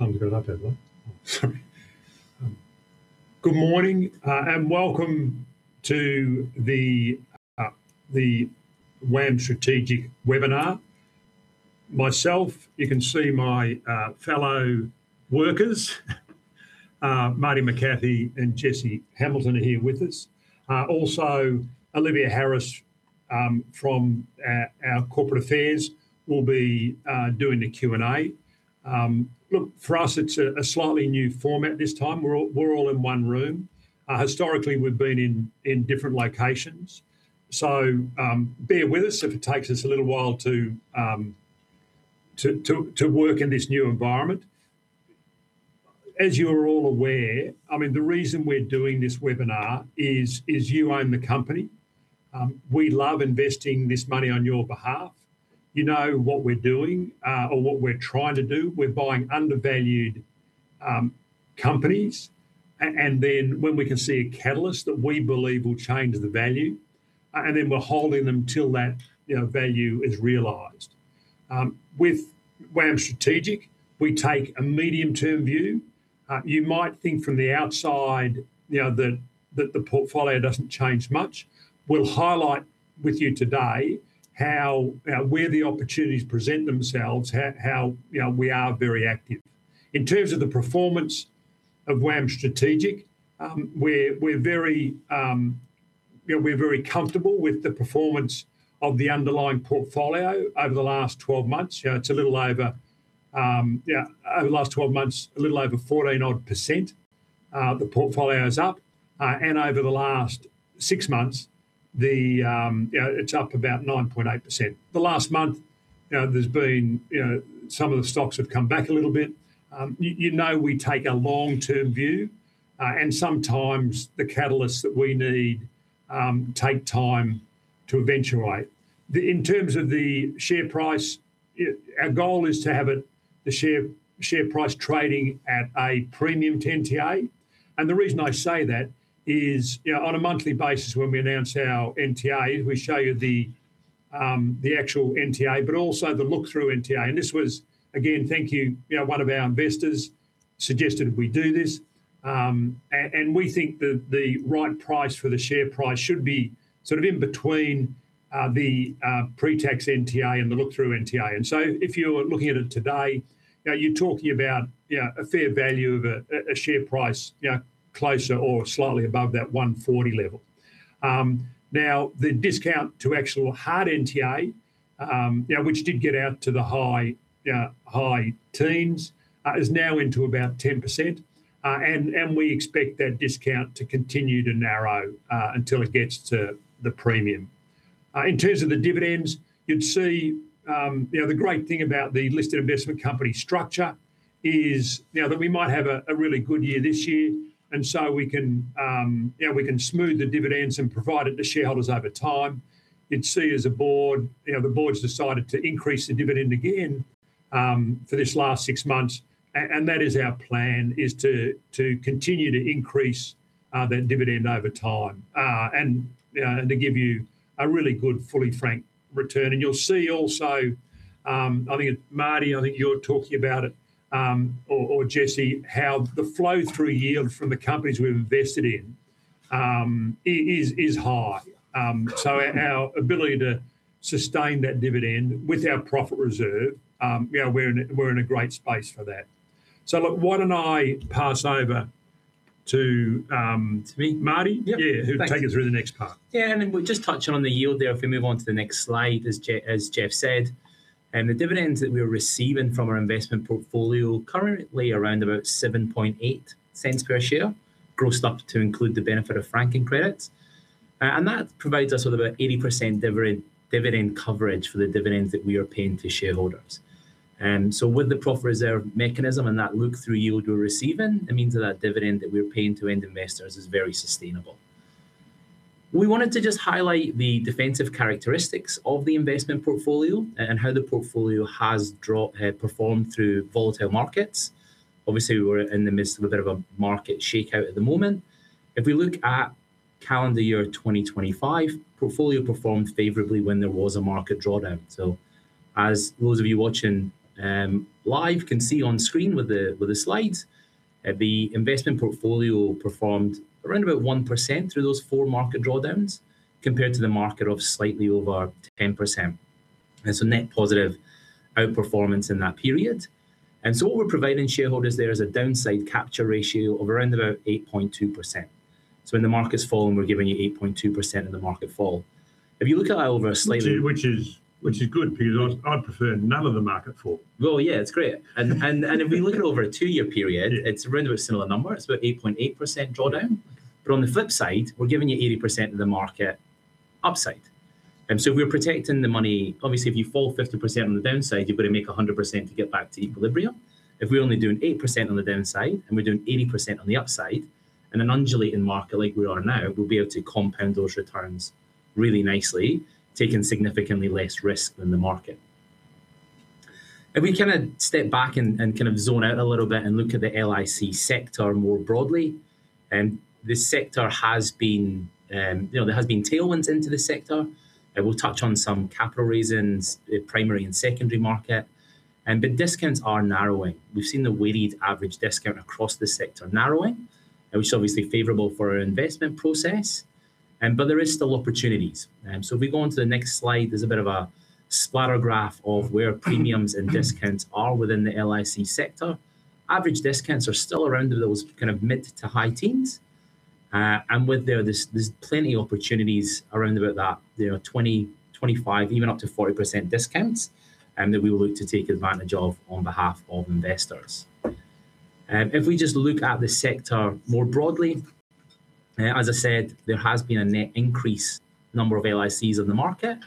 Good morning, welcome to the WAM Strategic Webinar. Myself, you can see my fellow workers, Martyn McCathie and Jesse Hamilton are here with us. Also, Olivia Harris, from our corporate affairs will be doing the Q&A. Look, for us, it's a slightly new format this time. We're all, we're all in one room. Historically, we've been in different locations. Bear with us if it takes us a little while to work in this new environment. As you're all aware, I mean, the reason we're doing this webinar is you own the company. We love investing this money on your behalf. You know what we're doing, or what we're trying to do, we're buying undervalued companies and then when we can see a catalyst that we believe will change the value, and then we're holding them till that, you know, value is realized. With WAM Strategic, we take a medium-term view. You might think from the outside, you know, that the portfolio doesn't change much. We'll highlight with you today how where the opportunities present themselves, how, you know, we are very active. In terms of the performance of WAM Strategic, we're very, you know, we're very comfortable with the performance of the underlying portfolio over the last 12 months. You know, it's a little over, yeah, over the last 12 months, a little over 14%- odd, the portfolio is up. Over the last six months, the, you know, it's up about 9.8%. The last month, you know, there's been, you know, some of the stocks have come back a little bit. You know, we take a long-term view, sometimes the catalysts that we need take time to eventuate. The, in terms of the share price, our goal is to have it, the share price trading at a premium to NTA. The reason I say that is, you know, on a monthly basis, when we announce our NTAs, we show you the actual NTA, but also the look-through NTA. This was, again, thank you know, one of our investors suggested we do this. And we think that the right price for the share price should be sort of in between the pre-tax NTA and the look-through NTA. If you're looking at it today, you know, you're talking about, you know, a fair value of a share price, you know, closer or slightly above that 140 level. Now, the discount to actual hard NTA, you know, which did get out to the high teens, is now into about 10%. We expect that discount to continue to narrow until it gets to the premium. In terms of the dividends, you'd see, you know, the great thing about the listed investment company structure is, you know, that we might have a really good year this year. We can, you know, we can smooth the dividends and provide it to shareholders over time. You'd see as a board, you know, the board's decided to increase the dividend again for this last six months. That is our plan, is to continue to increase that dividend over time, and, you know, and to give you a really good, fully frank return. You'll see also, I think, Martyn, I think you're talking about it, or Jesse, how the flow-through yield from the companies we've invested in is high. Our ability to sustain that dividend with our profit reserve, you know, we're in a great space for that. Look, why don't I pass over to. To me Martyn? Yep. Yeah. Thanks. He'll take us through the next part. Yeah, I mean, we're just touching on the yield there. If we move on to the next slide, as Geoff said, the dividends that we're receiving from our investment portfolio, currently around about 0.078 per share, grossed up to include the benefit of franking credits. That provides us with about 80% dividend coverage for the dividends that we are paying to shareholders. With the profit reserve mechanism and that look-through yield we're receiving, it means that that dividend that we're paying to end investors is very sustainable. We wanted to just highlight the defensive characteristics of the investment portfolio and how the portfolio has performed through volatile markets. Obviously, we're in the midst of a bit of a market shakeout at the moment. If we look at calendar year 2025, portfolio performed favorably when there was a market drawdown. As those of you watching, live can see on screen with the slides, the investment portfolio performed around about 1% through those four market drawdowns, compared to the market of slightly over 10%. Net positive outperformance in that period. What we're providing shareholders there is a downside capture ratio of around about 8.2%. When the market's falling, we're giving you 8.2% of the market fall. If you look at that over a. Which is good, because I'd prefer none of the market fall. Well, yeah, it's great. If we look at over a two-year period, it's around a similar number. It's about 8.8% drawdown. On the flip side, we're giving you 80% of the market upside, and so we're protecting the money. Obviously, if you fall 50% on the downside, you've got to make 100% to get back to equilibrium. If we're only doing 8% on the downside and we're doing 80% on the upside, in an undulating market like we are now, we'll be able to compound those returns really nicely, taking significantly less risk than the market. If we kind of step back and kind of zone out a little bit and look at the LIC sector more broadly... The sector has been, you know, there has been tailwinds into the sector. We'll touch on some capital reasons, the primary and secondary market. Discounts are narrowing. We've seen the weighted average discount across the sector narrowing, which is obviously favorable for our investment process, there is still opportunities. If we go on to the next slide, there's a bit of a splatter graph of where premiums and discounts are within the LIC sector. Average discounts are still around those kind of mid to high teens. With there's plenty of opportunities around about that, you know, 20, 25, even up to 40% discounts that we will look to take advantage of on behalf of investors. If we just look at the sector more broadly, as I said, there has been a net increase number of LICs in the market,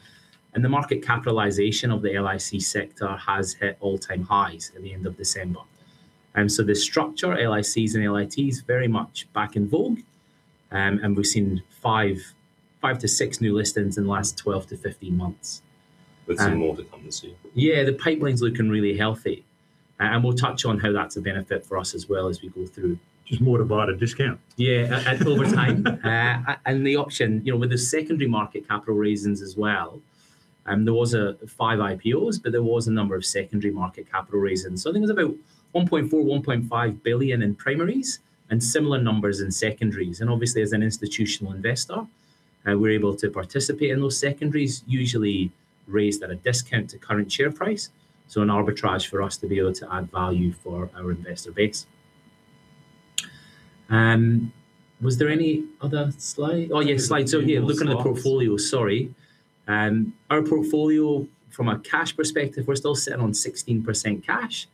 the market capitalization of the LIC sector has hit all-time highs at the end of December. The structure, LICs and LITs, very much back in vogue. We've seen five to six new listings in the last 12 to 15 months. With some more to come this year. Yeah, the pipeline's looking really healthy. We'll touch on how that's a benefit for us as well as we go through. Just more to buy at a discount. Yeah, at over time. The option, you know, with the secondary market capital reasons as well, there was five IPOs, but there was a number of secondary market capital reasons. I think it was about 1.4 billion-1.5 billion in primaries, and similar numbers in secondaries. obviously, as an institutional investor, we're able to participate in those secondaries, usually raised at a discount to current share price, so an arbitrage for us to be able to add value for our investor base. Was there any other slide? Oh, yeah, slide two. Yeah, look at the stocks. Yeah, looking at the portfolio, sorry. Our portfolio from a cash perspective, we're still sitting on 16% cash,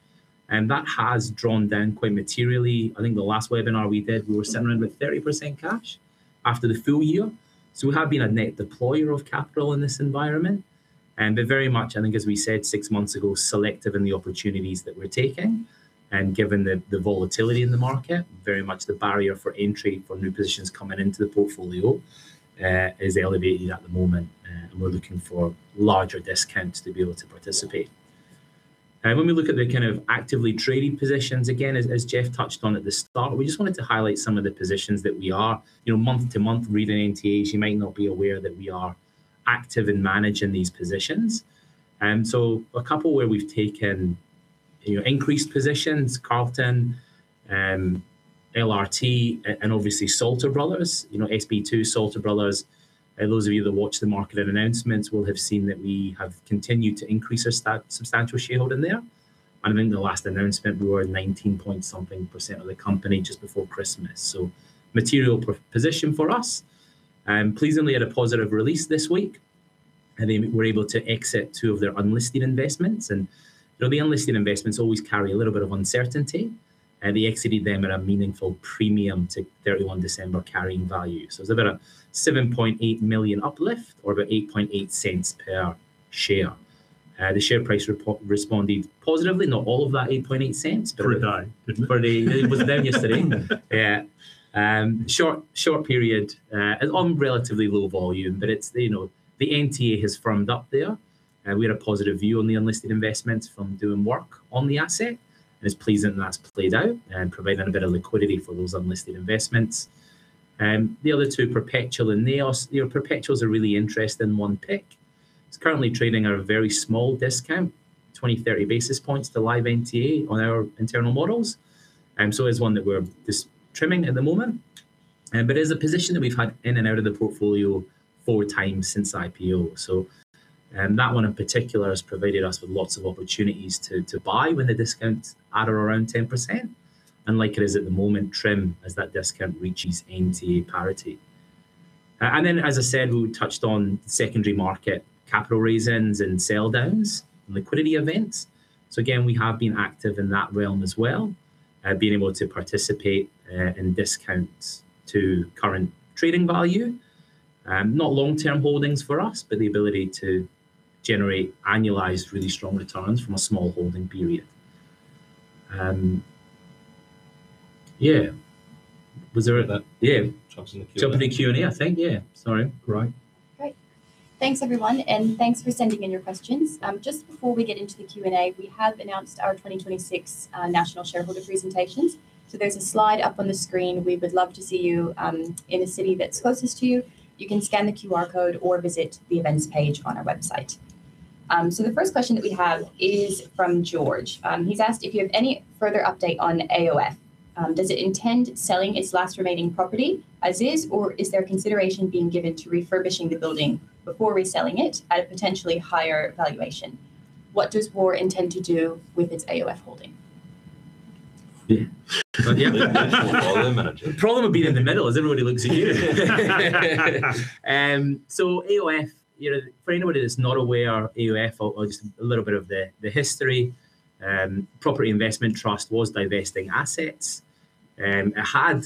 and that has drawn down quite materially. I think the last webinar we did, we were sitting around with 30% cash after the full year. We have been a net deployer of capital in this environment, but very much, I think, as we said six months ago, selective in the opportunities that we're taking. Given the volatility in the market, very much the barrier for entry for new positions coming into the portfolio, is elevated at the moment, and we're looking for larger discounts to be able to participate. When we look at the kind of actively trading positions, again, as Geoff touched on at the start, we just wanted to highlight some of the positions that we are. You know, month to month reading NTAs, you might not be aware that we are active in managing these positions. A couple where we've taken, you know, increased positions, Carlton, LRT, and obviously Salter Brothers. You know, SB2, Salter Brothers, those of you that watch the market of announcements will have seen that we have continued to increase our substantial shareholding in there. I think the last announcement we were at 19 point something% of the company, just before Christmas. Material position for us. Pleasingly had a positive release this week, and they were able to exit two of their unlisted investments. You know, the unlisted investments always carry a little bit of uncertainty, and they exited them at a meaningful premium to 31 December carrying value. There's about a 7.8 million uplift or about 0.088 per share. The share price responded positively, not all of that 0.088. Per day. It was down yesterday. Yeah. short period, on relatively low volume, but it's, you know, the NTA has firmed up there. We had a positive view on the unlisted investments from doing work on the asset, and it's pleasing that's played out, and providing a bit of liquidity for those unlisted investments. The other two, Perpetual and NAOS, you know, Perpetual's a really interesting one pick. It's currently trading at a very small discount, 20, 30 basis points to live NTA on our internal models. It's one that we're trimming at the moment. It's a position that we've had in and out of the portfolio four times since IPO. That one in particular has provided us with lots of opportunities to buy when the discount at or around 10%, unlike it is at the moment, trim, as that discount reaches NTA parity. As I said, we touched on secondary market capital raisings and sell downs and liquidity events. Again, we have been active in that realm as well. Being able to participate in discounts to current trading value. Not long-term holdings for us, but the ability to generate annualized really strong returns from a small holding period. Was there any. Yeah. Jump to the Q&A. Jump to the Q&A, I think. Yeah. Sorry, right. Great. Thanks, everyone, thanks for sending in your questions. Just before we get into the Q&A, we have announced our 2026 national shareholder presentations, so there's a slide up on the screen. We would love to see you in a city that's closest to you. You can scan the QR code or visit the Events page on our website. The first question that we have is from George. He's asked if you have any further update on AOF. Does it intend selling its last remaining property as is, or is there consideration being given to refurbishing the building before reselling it at a potentially higher valuation? What does Moore intend to do with its AOF holding? Yeah. Well, yeah. National problem, isn't it? The problem with being in the middle is everybody looks at you. AOF, you know, for anybody that's not aware of AOF or just a little bit of the history, Property Investment Trust was divesting assets, it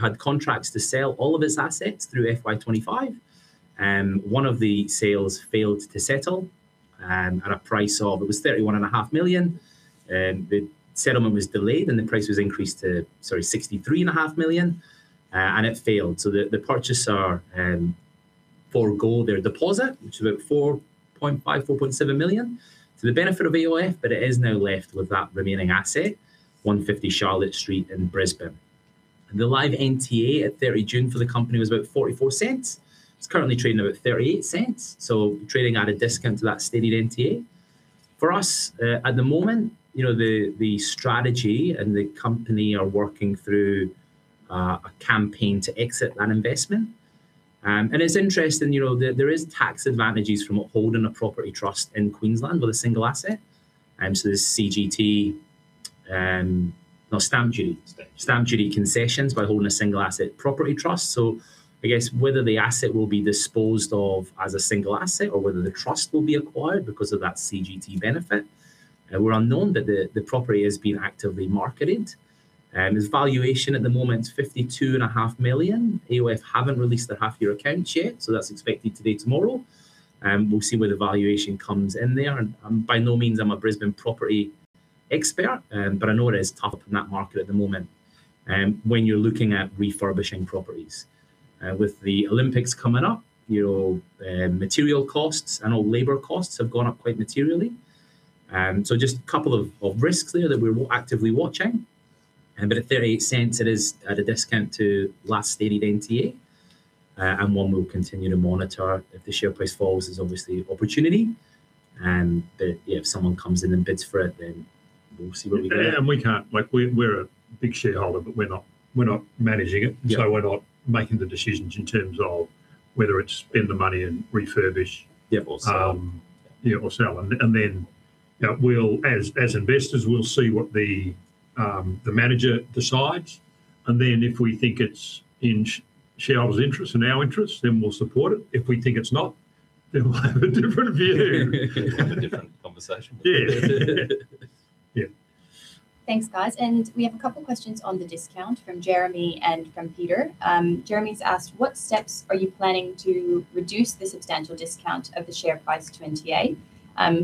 had contracts to sell all of its assets through FY 2025. One of the sales failed to settle, at a price of. It was 31.5 million. The settlement was delayed, and the price was increased to, sorry, 63.5 million, and it failed. The, the purchaser forgo their deposit, which is about 4.5 million, 4.7 million to the benefit of AOF, but it is now left with that remaining asset, 150 Charlotte Street in Brisbane. The live NTA at 30 June for the company was about 0.44. It's currently trading about 0.38, so trading at a discount to that stated NTA. For us, at the moment, you know, the strategy and the company are working through a campaign to exit that investment. It's interesting, you know, there is tax advantages from holding a property trust in Queensland with a single asset. So there's CGT, no, stamp duty- Stamp duty concessions by holding a single asset property trust. I guess whether the asset will be disposed of as a single asset or whether the trust will be acquired because of that CGT benefit, we're unknown, but the property is being actively marketed. Its valuation at the moment is 52.5 million. AOF haven't released their half-year accounts yet. That's expected to be tomorrow, and we'll see where the valuation comes in there. I'm by no means a Brisbane property expert, but I know it is tough in that market at the moment, when you're looking at refurbishing properties. With the Olympics coming up, you know, material costs and all labor costs have gone up quite materially. Just a couple of risks there that we're actively watching. At 0.38, it is at a discount to last stated NTA, and one we'll continue to monitor. If the share price falls, there's obviously opportunity. If someone comes in and bids for it, then we'll see where we go. We can't, like we're a big shareholder, but we're not, we're not managing it. Yeah We're not making the decisions in terms of whether it's spend the money and refurbish-. Yeah, sell. Yeah, or sell. We'll as investors, we'll see what the manager decides. If we think it's in shareholders' interest and our interest, then we'll support it. If we think it's not, then we'll have a different view. Have a different conversation. Yeah. Yeah. Thanks, guys. We have a couple questions on the discount from Jeremy and from Peter. Jeremy's asked: "What steps are you planning to reduce the substantial discount of the share price to NTA?"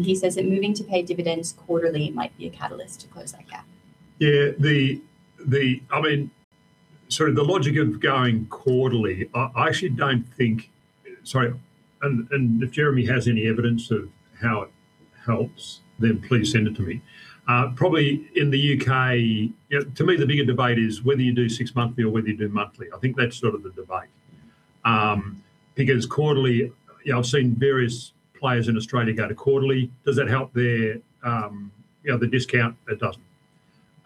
He says that, "Moving to pay dividends quarterly might be a catalyst to close that gap. Yeah, sort of the logic of going quarterly, I actually don't think. Sorry, if Jeremy has any evidence of how it helps, then please send it to me. Probably in the U.K., you know, to me, the bigger debate is whether you do six monthly or whether you do monthly. I think that's sort of the debate. Because quarterly, you know, I've seen various players in Australia go to quarterly. Does that help their, you know, the discount? It doesn't.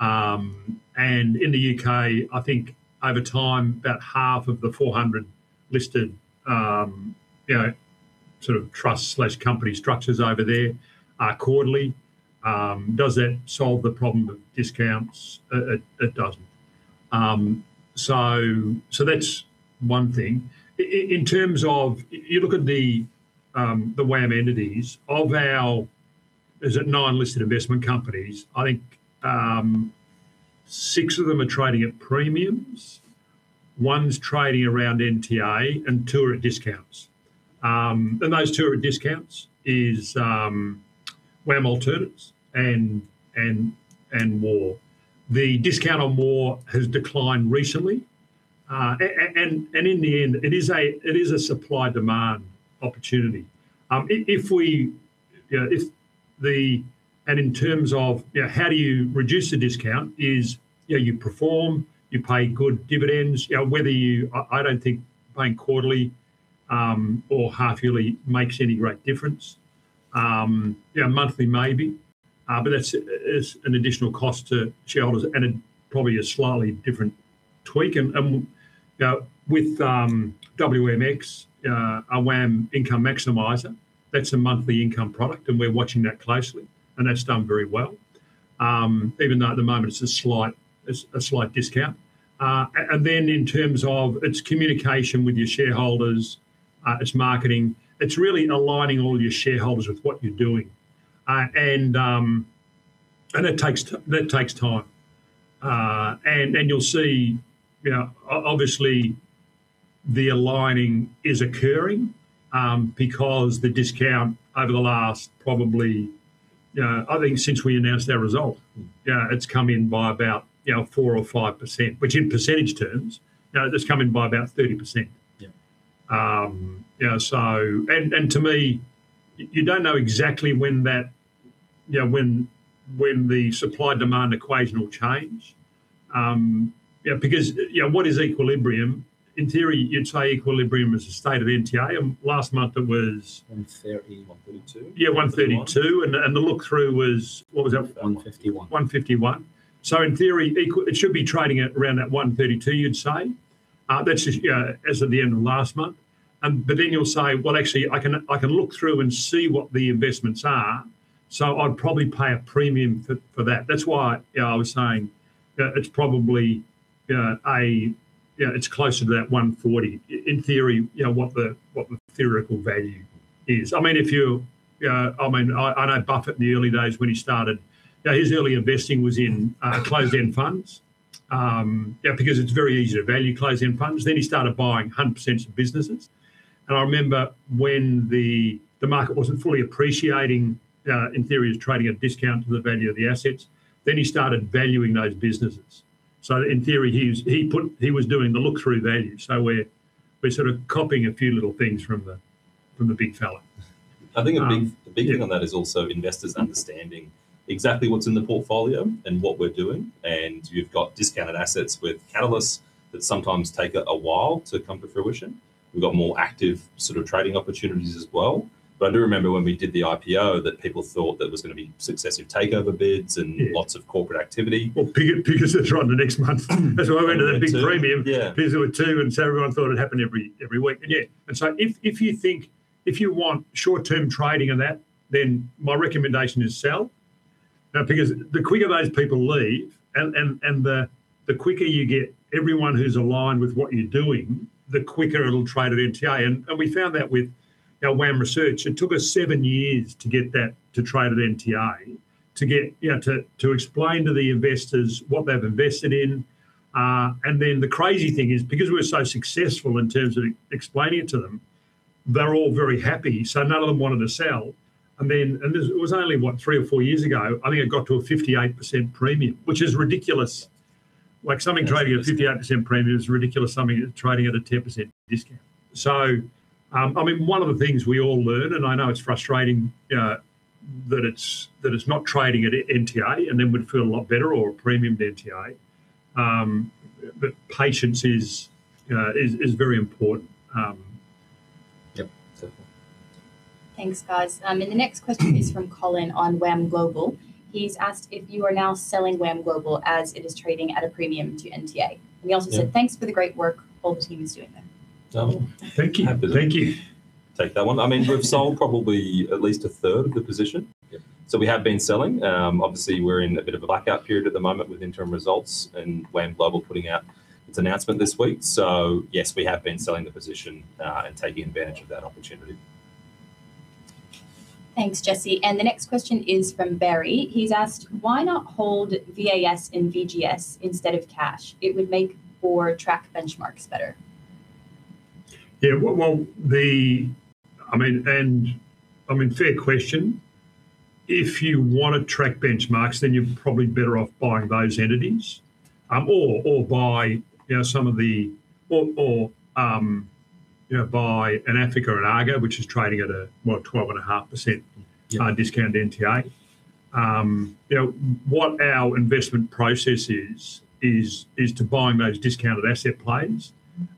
In the U.K., I think over time, about half of the 400 listed, you know, sort of trust/company structures over there are quarterly. Does that solve the problem of discounts? It doesn't. That's one thing. In terms of. You look at the WAM entities, of our, is it nine listed investment companies, I think, six of them are trading at premiums, one's trading around NTA, and two are at discounts. Those two are at discounts is WAM Alternative Assets and WAM Capital. The discount on WAM Capital has declined recently. In the end, it is a supply/demand opportunity. In terms of, you know, how do you reduce the discount is, you know, you perform, you pay good dividends. You know, whether you. I don't think paying quarterly, or half-yearly makes any great difference. You know, monthly, maybe, but that's, it's an additional cost to shareholders, and it's probably a slightly different tweak. You know, with WMX, our WAM Income Maximiser, that's a monthly income product, and we're watching that closely, and that's done very well, even though at the moment it's a slight discount. Then in terms of its communication with your shareholders, its marketing, it's really aligning all your shareholders with what you're doing. It takes time. You'll see, you know, obviously, the aligning is occurring, because the discount over the last probably, I think since we announced our result, it's come in by about, you know, 4% or 5%, which in percentage terms, it's come in by about 30%. Yeah. You know, so. To me, you don't know exactly when that, you know, when the supply/demand equation will change. You know, what is equilibrium? In theory, you'd say equilibrium is a state of NTA, and last month it was- 130, 132. Yeah, 132, and the look-through was, what was that? 151. 151. In theory, it should be trading at around 132, you'd say. That's just as of the end of last month. Then you'll say, "Well, actually, I can look through and see what the investments are, so I'd probably pay a premium for that." That's why, you know, I was saying, it's probably a, you know, it's closer to 140, in theory, you know, what the theoretical value is. I mean, if you, I mean, I know Buffett in the early days when he started, you know, his early investing was in closed-end funds. Yeah, because it's very easy to value closed-end funds. He started buying 100% of businesses, I remember when the market wasn't fully appreciating, in theory, he was trading at a discount to the value of the assets. He started valuing those businesses. In theory, he's, he was doing the look-through value, so we're sort of copying a few little things from the, from the big fella. I think a big- Yeah. A big thing on that is also investors understanding exactly what's in the portfolio and what we're doing, and you've got discounted assets with catalysts that sometimes take a while to come to fruition. We've got more active sort of trading opportunities as well. I do remember when we did the IPO, that people thought there was gonna be successive takeover bids- Yeah Lots of corporate activity. Well, Piggy sits right in the next month. Yeah. That's why we went to that big premium. Yeah. There were two, and so everyone thought it'd happen every week, but yeah. If you think, if you want short-term trading and that, then my recommendation is sell. Now, because the quicker those people leave, and the quicker you get everyone who's aligned with what you're doing, the quicker it'll trade at NTA. We found that with our WAM Research, it took us seven years to get that to trade at NTA, to get, you know, to explain to the investors what they've invested in. The crazy thing is, because we're so successful in terms of explaining it to them, they're all very happy, so none of them wanted to sell. It was only, what? Three or four years ago, I think it got to a 58% premium, which is ridiculous. That's ridiculous. Trading at a 58% premium is ridiculous, something trading at a 10% discount. I mean, one of the things we all learn, and I know it's frustrating, that it's not trading at NTA, and then would feel a lot better or a premium to NTA. patience is very important. Yep. Thanks, guys. The next question is from Colin on WAM Global. He's asked if you are now selling WAM Global as it is trading at a premium to NTA. Yeah. He also said, "Thanks for the great work the whole team is doing there. Um- Thank you. Happy to- Thank you. take that one. I mean, we've sold probably at least a third of the position. Yep. We have been selling. Obviously, we're in a bit of a blackout period at the moment with interim results and WAM Global putting out its announcement this week. Yes, we have been selling the position and taking advantage of that opportunity. Thanks, Jesse. The next question is from Barry. He's asked: "Why not hold VAS and VGS instead of cash? It would make for track benchmarks better. Yeah, well, the, I mean, fair question. If you want to track benchmarks, you're probably better off buying those entities. Or buy, you know, some of the, or, you know, buy an AFIC or an Argo, which is trading at a, well, 12.5%. Yeah Discount to NTA. You know, what our investment process is to buy those discounted asset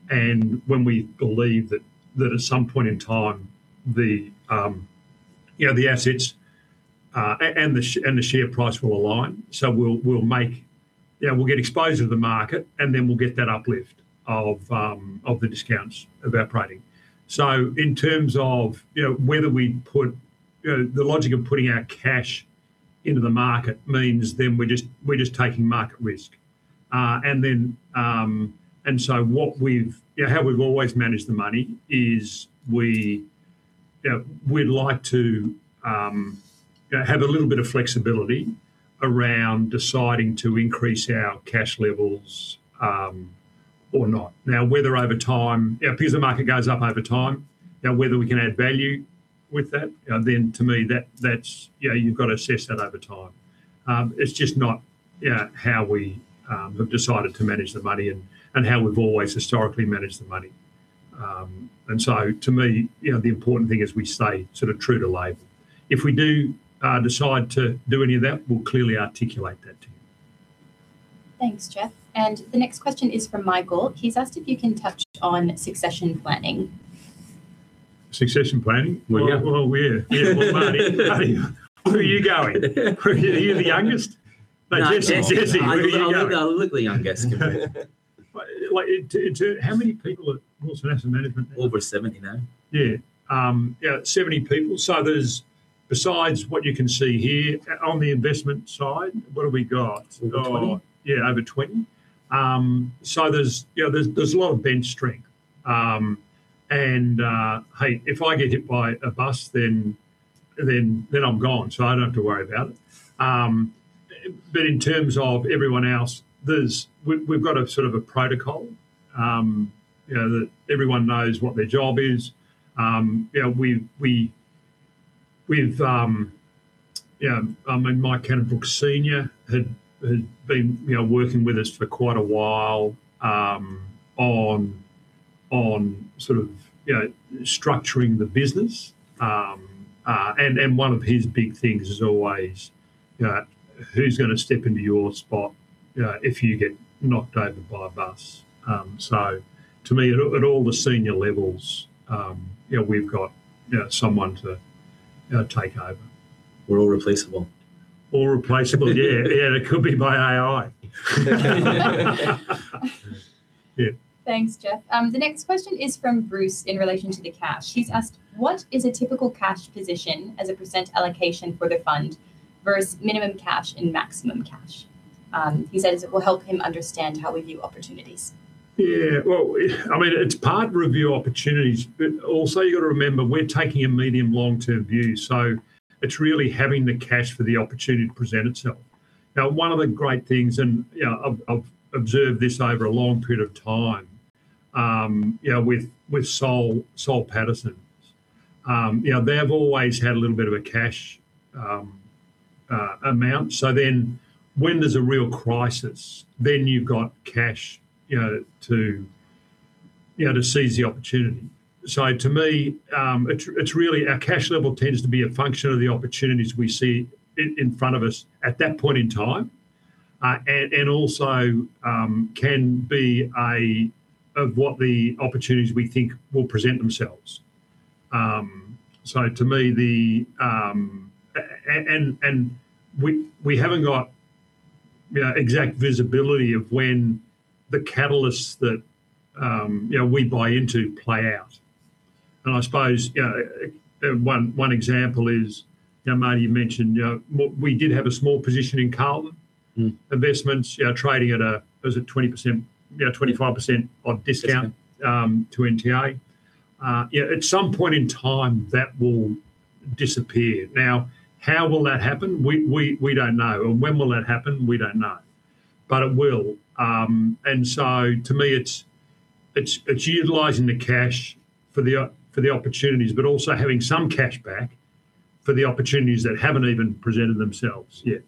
plays. When we believe that at some point in time, the, you know, the assets and the share price will align, so we'll make. Yeah, we'll get exposure to the market, then we'll get that uplift of the discounts evaporating. In terms of, you know, whether we put, you know, the logic of putting our cash into the market means then we're just taking market risk. How we've always managed the money is we'd like to have a little bit of flexibility around deciding to increase our cash levels or not. Now, whether over time, yeah, because the market goes up over time, now, whether we can add value with that, then to me, that's, you know, you've got to assess that over time. It's just not, yeah, how we have decided to manage the money and how we've always historically managed the money. To me, you know, the important thing is we stay sort of true to life. If we do decide to do any of that, we'll clearly articulate that to you. Thanks, Geoff, and the next question is from Michael. He's asked if you can touch on succession planning. Succession planning? Well, yeah. Well, we're, yeah, well, Martyn, where are you going? You're the youngest. No. Jesse, where are you going? I know, I look the youngest. Like, how many people are in asset management now? Over 70 now. Yeah. yeah, 70 people, so there's, besides what you can see here, on the investment side, what have we got? Over 20. Yeah, over 20. There's, you know, a lot of bench strength. Hey, if I get hit by a bus, then I'm gone, so I don't have to worry about it. In terms of everyone else, we've got a sort of a protocol, you know, that everyone knows what their job is. You know, we've, yeah, I mean, Mike Cannon-Brookes Sr. had been, you know, working with us for quite a while, on sort of, you know, structuring the business. One of his big things is always, you know, "Who's gonna step into your spot if you get knocked over by a bus?" To me, at all the senior levels, you know, we've got, you know, someone to take over. We're all replaceable. All replaceable, yeah. Yeah, it could be by AI. Yeah. Thanks, Geoff. The next question is from Bruce in relation to the cash. He's asked: "What is a typical cash position as a % allocation for the fund versus minimum cash and maximum cash?" He says it will help him understand how we view opportunities. Yeah, well, it, I mean, it's part review opportunities, but also you've got to remember, we're taking a medium long-term view, so it's really having the cash for the opportunity to present itself. Now, one of the great things, and, you know, I've observed this over a long period of time, you know, with Soul Pattinson, you know, they've always had a little bit of a cash amount, so then when there's a real crisis, then you've got cash, you know, to, you know, to seize the opportunity. To me, it's really our cash level tends to be a function of the opportunities we see in front of us at that point in time. And also, can be of what the opportunities we think will present themselves. To me, the. We haven't got, you know, exact visibility of when the catalysts that, you know, we buy into play out. I suppose, you know, one example is, you know, Martyn, you mentioned, you know, we did have a small position in Carlton- Mm. Investments, you know, trading at a, was it 20%, you know, 25% off discount. Discount To NTA. Yeah, at some point in time, that will disappear. How will that happen? We don't know. When will that happen? We don't know, but it will. To me, it's utilizing the cash for the opportunities, but also having some cash back for the opportunities that haven't even presented themselves yet.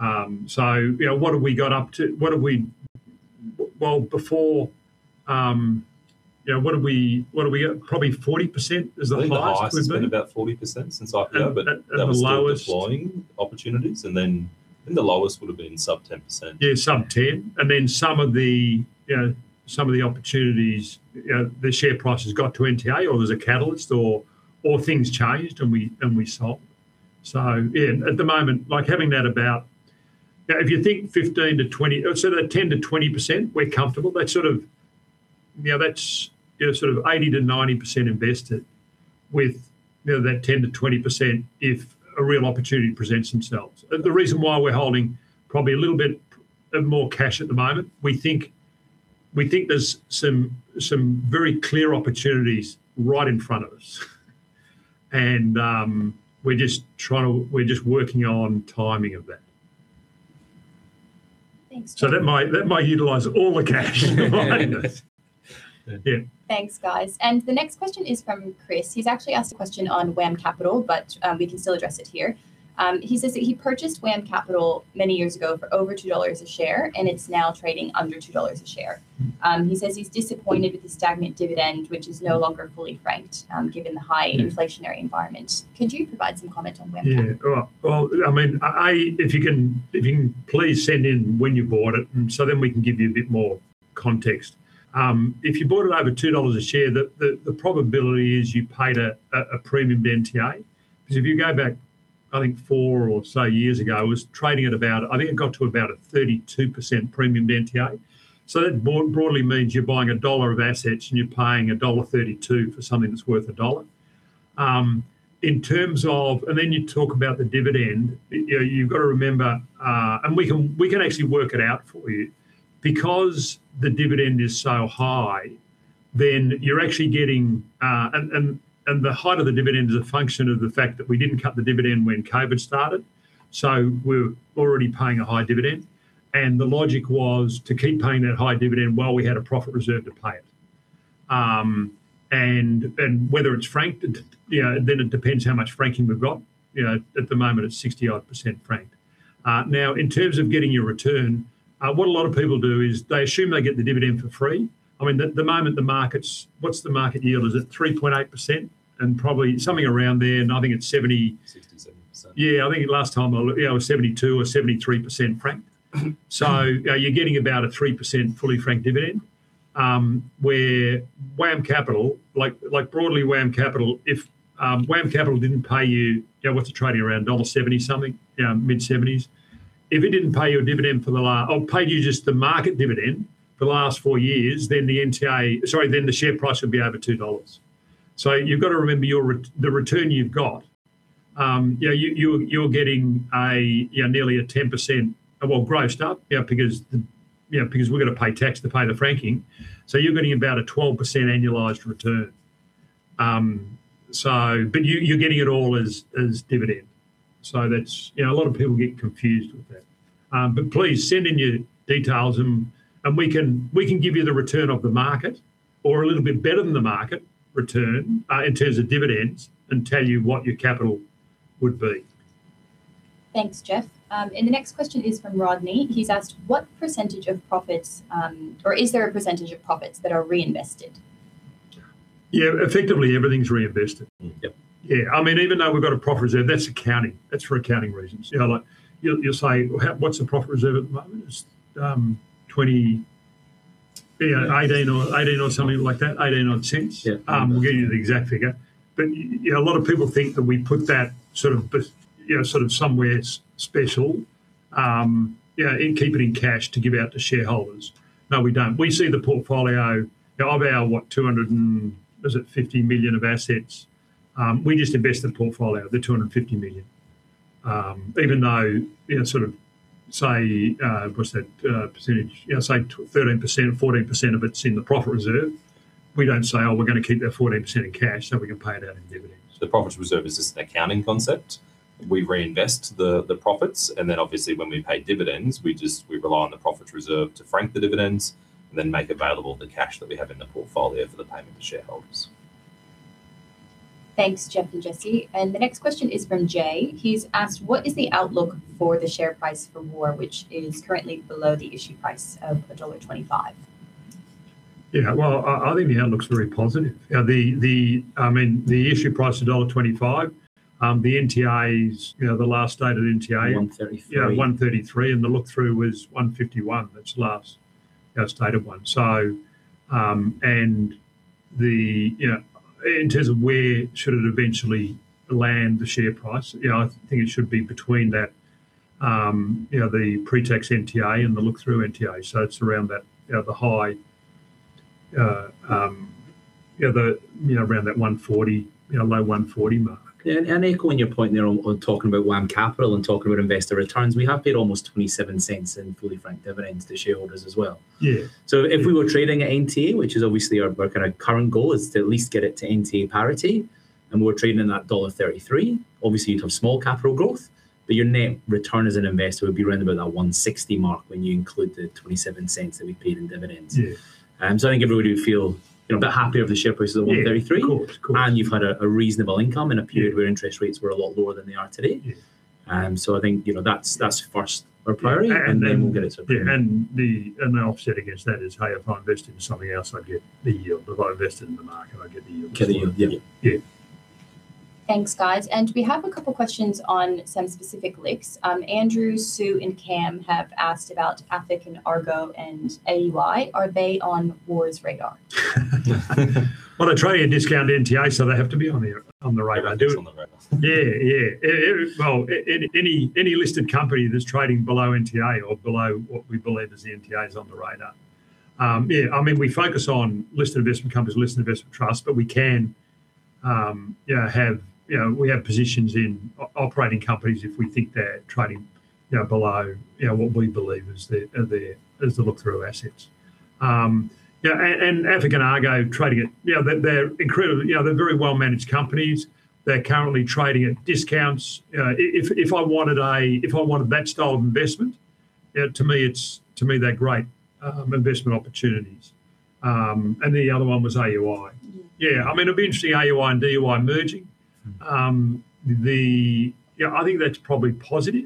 You know, what have we got up to? Before, you know, what are we at? Probably 40% is the highest we've been. I think the highest has been about 40% since I've- And, and the lowest- That was still deploying opportunities, and then I think the lowest would've been sub-10%. Yeah, sub-10, some of the, you know, some of the opportunities, you know, the share price has got to NTA, or there's a catalyst or things changed, and we sold. Yeah, at the moment, like, having that about. You know, if you think 15%-20%, or sort of 10%-20%, we're comfortable, that's sort of. You know, that's, you know, sort of 80%-90% invested, with, you know, that 10%-20% if a real opportunity presents themselves. The reason why we're holding probably a little bit of more cash at the moment, we think there's some very clear opportunities right in front of us. We're just working on timing of that. Thanks, Geoff. That might, that might utilize all the cash at the moment. Yeah. Thanks, guys. The next question is from Chris. He's actually asked a question on WAM Capital, but we can still address it here. He says that he purchased WAM Capital many years ago for over 2 dollars a share, and it's now trading under 2 dollars a share. He says he's disappointed with the stagnant dividend, which is no longer fully franked, given the high inflationary environment. Could you provide some comment on WAM Capital? Yeah, all right. Well, I mean, I if you can please send in when you bought it, then we can give you a bit more context. If you bought it over 2 dollars a share, the probability is you paid a premium to NTA. Because if you go back, I think, four or so years ago, it was trading at about. I think it got to about a 32% premium to NTA. That broadly means you're buying AUD 1 of assets, and you're paying dollar 1.32 for something that's worth AUD 1. Then you talk about the dividend. You know, you've got to remember. We can actually work it out for you. The dividend is so high, then you're actually getting, The height of the dividend is a function of the fact that we didn't cut the dividend when COVID started, so we were already paying a high dividend, and the logic was to keep paying that high dividend while we had a profit reserve to pay it. Whether it's franked, you know, then it depends how much franking we've got. You know, at the moment, it's 60-odd% franked. Now, in terms of getting your return, what a lot of people do is they assume they get the dividend for free. I mean, at the moment, the market's. What's the market yield? Is it 3.8%? Probably something around there, and I think it's 70%. 60%, 70%. I think it last time I looked, yeah, it was 72% or 73% franked. Mm-hmm. You're getting about a 3% fully franked dividend, where WAM Capital, like, broadly, WAM Capital, if WAM Capital didn't pay you. You know, what's the trading, around dollar 1.70 something, you know, mid-70s? If it didn't pay you a dividend for the last or paid you just the market dividend for the last four-years, then the NTA. Sorry, then the share price would be over 2 dollars. You've got to remember your return you've got, you know, you're getting a, you know, nearly a 10%, well, grossed up, you know, because we've got to pay tax to pay the franking, you're getting about a 12% annualized return. You're getting it all as dividend. That's. You know, a lot of people get confused with that. Please send in your details, and we can give you the return of the market or a little bit better than the market return, in terms of dividends, and tell you what your capital would be. Thanks, Geoff. The next question is from Rodney. He's asked, "What percentage of profits, or is there a percentage of profits that are reinvested? Yeah, effectively, everything's reinvested. Mm-hmm. Yep. Yeah, I mean, even though we've got a profit reserve, that's accounting. That's for accounting reasons. You know, like, you'll say, "How, what's the profit reserve at the moment?" It's, yeah, 0.20, 0.18 or something like that, 0.18 odd? Yeah. We'll get you the exact figure. You know, a lot of people think that we put that sort of you know, sort of somewhere special, you know, and keep it in cash to give out to shareholders. No, we don't. We see the portfolio of our, what, 250 million of assets? We just invest the portfolio, the 250 million. Even though, you know, sort of, say, what's that, percentage? You know, say, 13%, 14% of it's in the profit reserve, we don't say, "Oh, we're gonna keep that 14% in cash, so we can pay it out in div- The profit reserve is just an accounting concept. We reinvest the profits, and then obviously, when we pay dividends, we rely on the profit reserve to frank the dividends, and then make available the cash that we have in the portfolio for the payment to shareholders. Thanks, Geoff and Jesse. The next question is from Jay. He's asked: "What is the outlook for the share price for WAR, which is currently below the issue price of $1.25? Well, I think the outlook's very positive. I mean, the issue price of dollar 1.25, the NTAs, you know, the last stated. 1.33. Yeah, 1.33, and the look-through was 1.51. That's the last stated one. The, you know, in terms of where should it eventually land, the share price, you know, I think it should be between that, you know, the pre-tax NTA and the look-through NTA. It's around that, you know, the high, you know, around that 1.40, you know, low 1.40 mark. Yeah, echoing your point there on talking about WAM Capital and talking about investor returns, we have paid almost 0.27 in fully franked dividends to shareholders as well. Yeah. If we were trading at NTA, which is obviously our kind of current goal, is to at least get it to NTA parity, and we're trading at that dollar 1.33, obviously you'd have small capital growth, but your net return as an investor would be around about that 1.60 mark when you include the 0.27 that we've paid in dividends. Yeah. I think everybody would feel, you know, a bit happier if the share price was at 1.33. Yeah, of course, of course. And you've had a reasonable income in a period... Yeah Where interest rates were a lot lower than they are today. Yeah. I think, you know, that's first our priority-. then- We'll get it sorted. Yeah, and the, and the offset against that is, "Hey, if I invest into something else, I get the yield. If I invest in the market, I get the yield. Get a yield, yeah. Yeah. Thanks, guys, and we have a couple questions on some specific LICs. Andrew, Sue, and Cam have asked about AFIC and Argo and AUI. Are they on WAR's radar? Well, they trade at a discount to NTA, so they have to be on the, on the radar. On the radar. Yeah, yeah. Any listed company that's trading below NTA or below what we believe is the NTAs on the radar. Yeah, I mean, we focus on listed investment companies, listed investment trusts, but we can, you know, have, you know, we have positions in operating companies if we think they're trading, you know, below, you know, what we believe is their, is the look-through assets. AFIC and Argo Investments trading at. You know, they're incredibly, you know, they're very well-managed companies. They're currently trading at discounts. If I wanted that style of investment, to me, it's, to me, they're great, investment opportunities. The other one was Australian United Investment Company Limited. Mm. Yeah. I mean, it'll be interesting, AUI and DUI merging. Mm. The, you know, I think that's probably positive.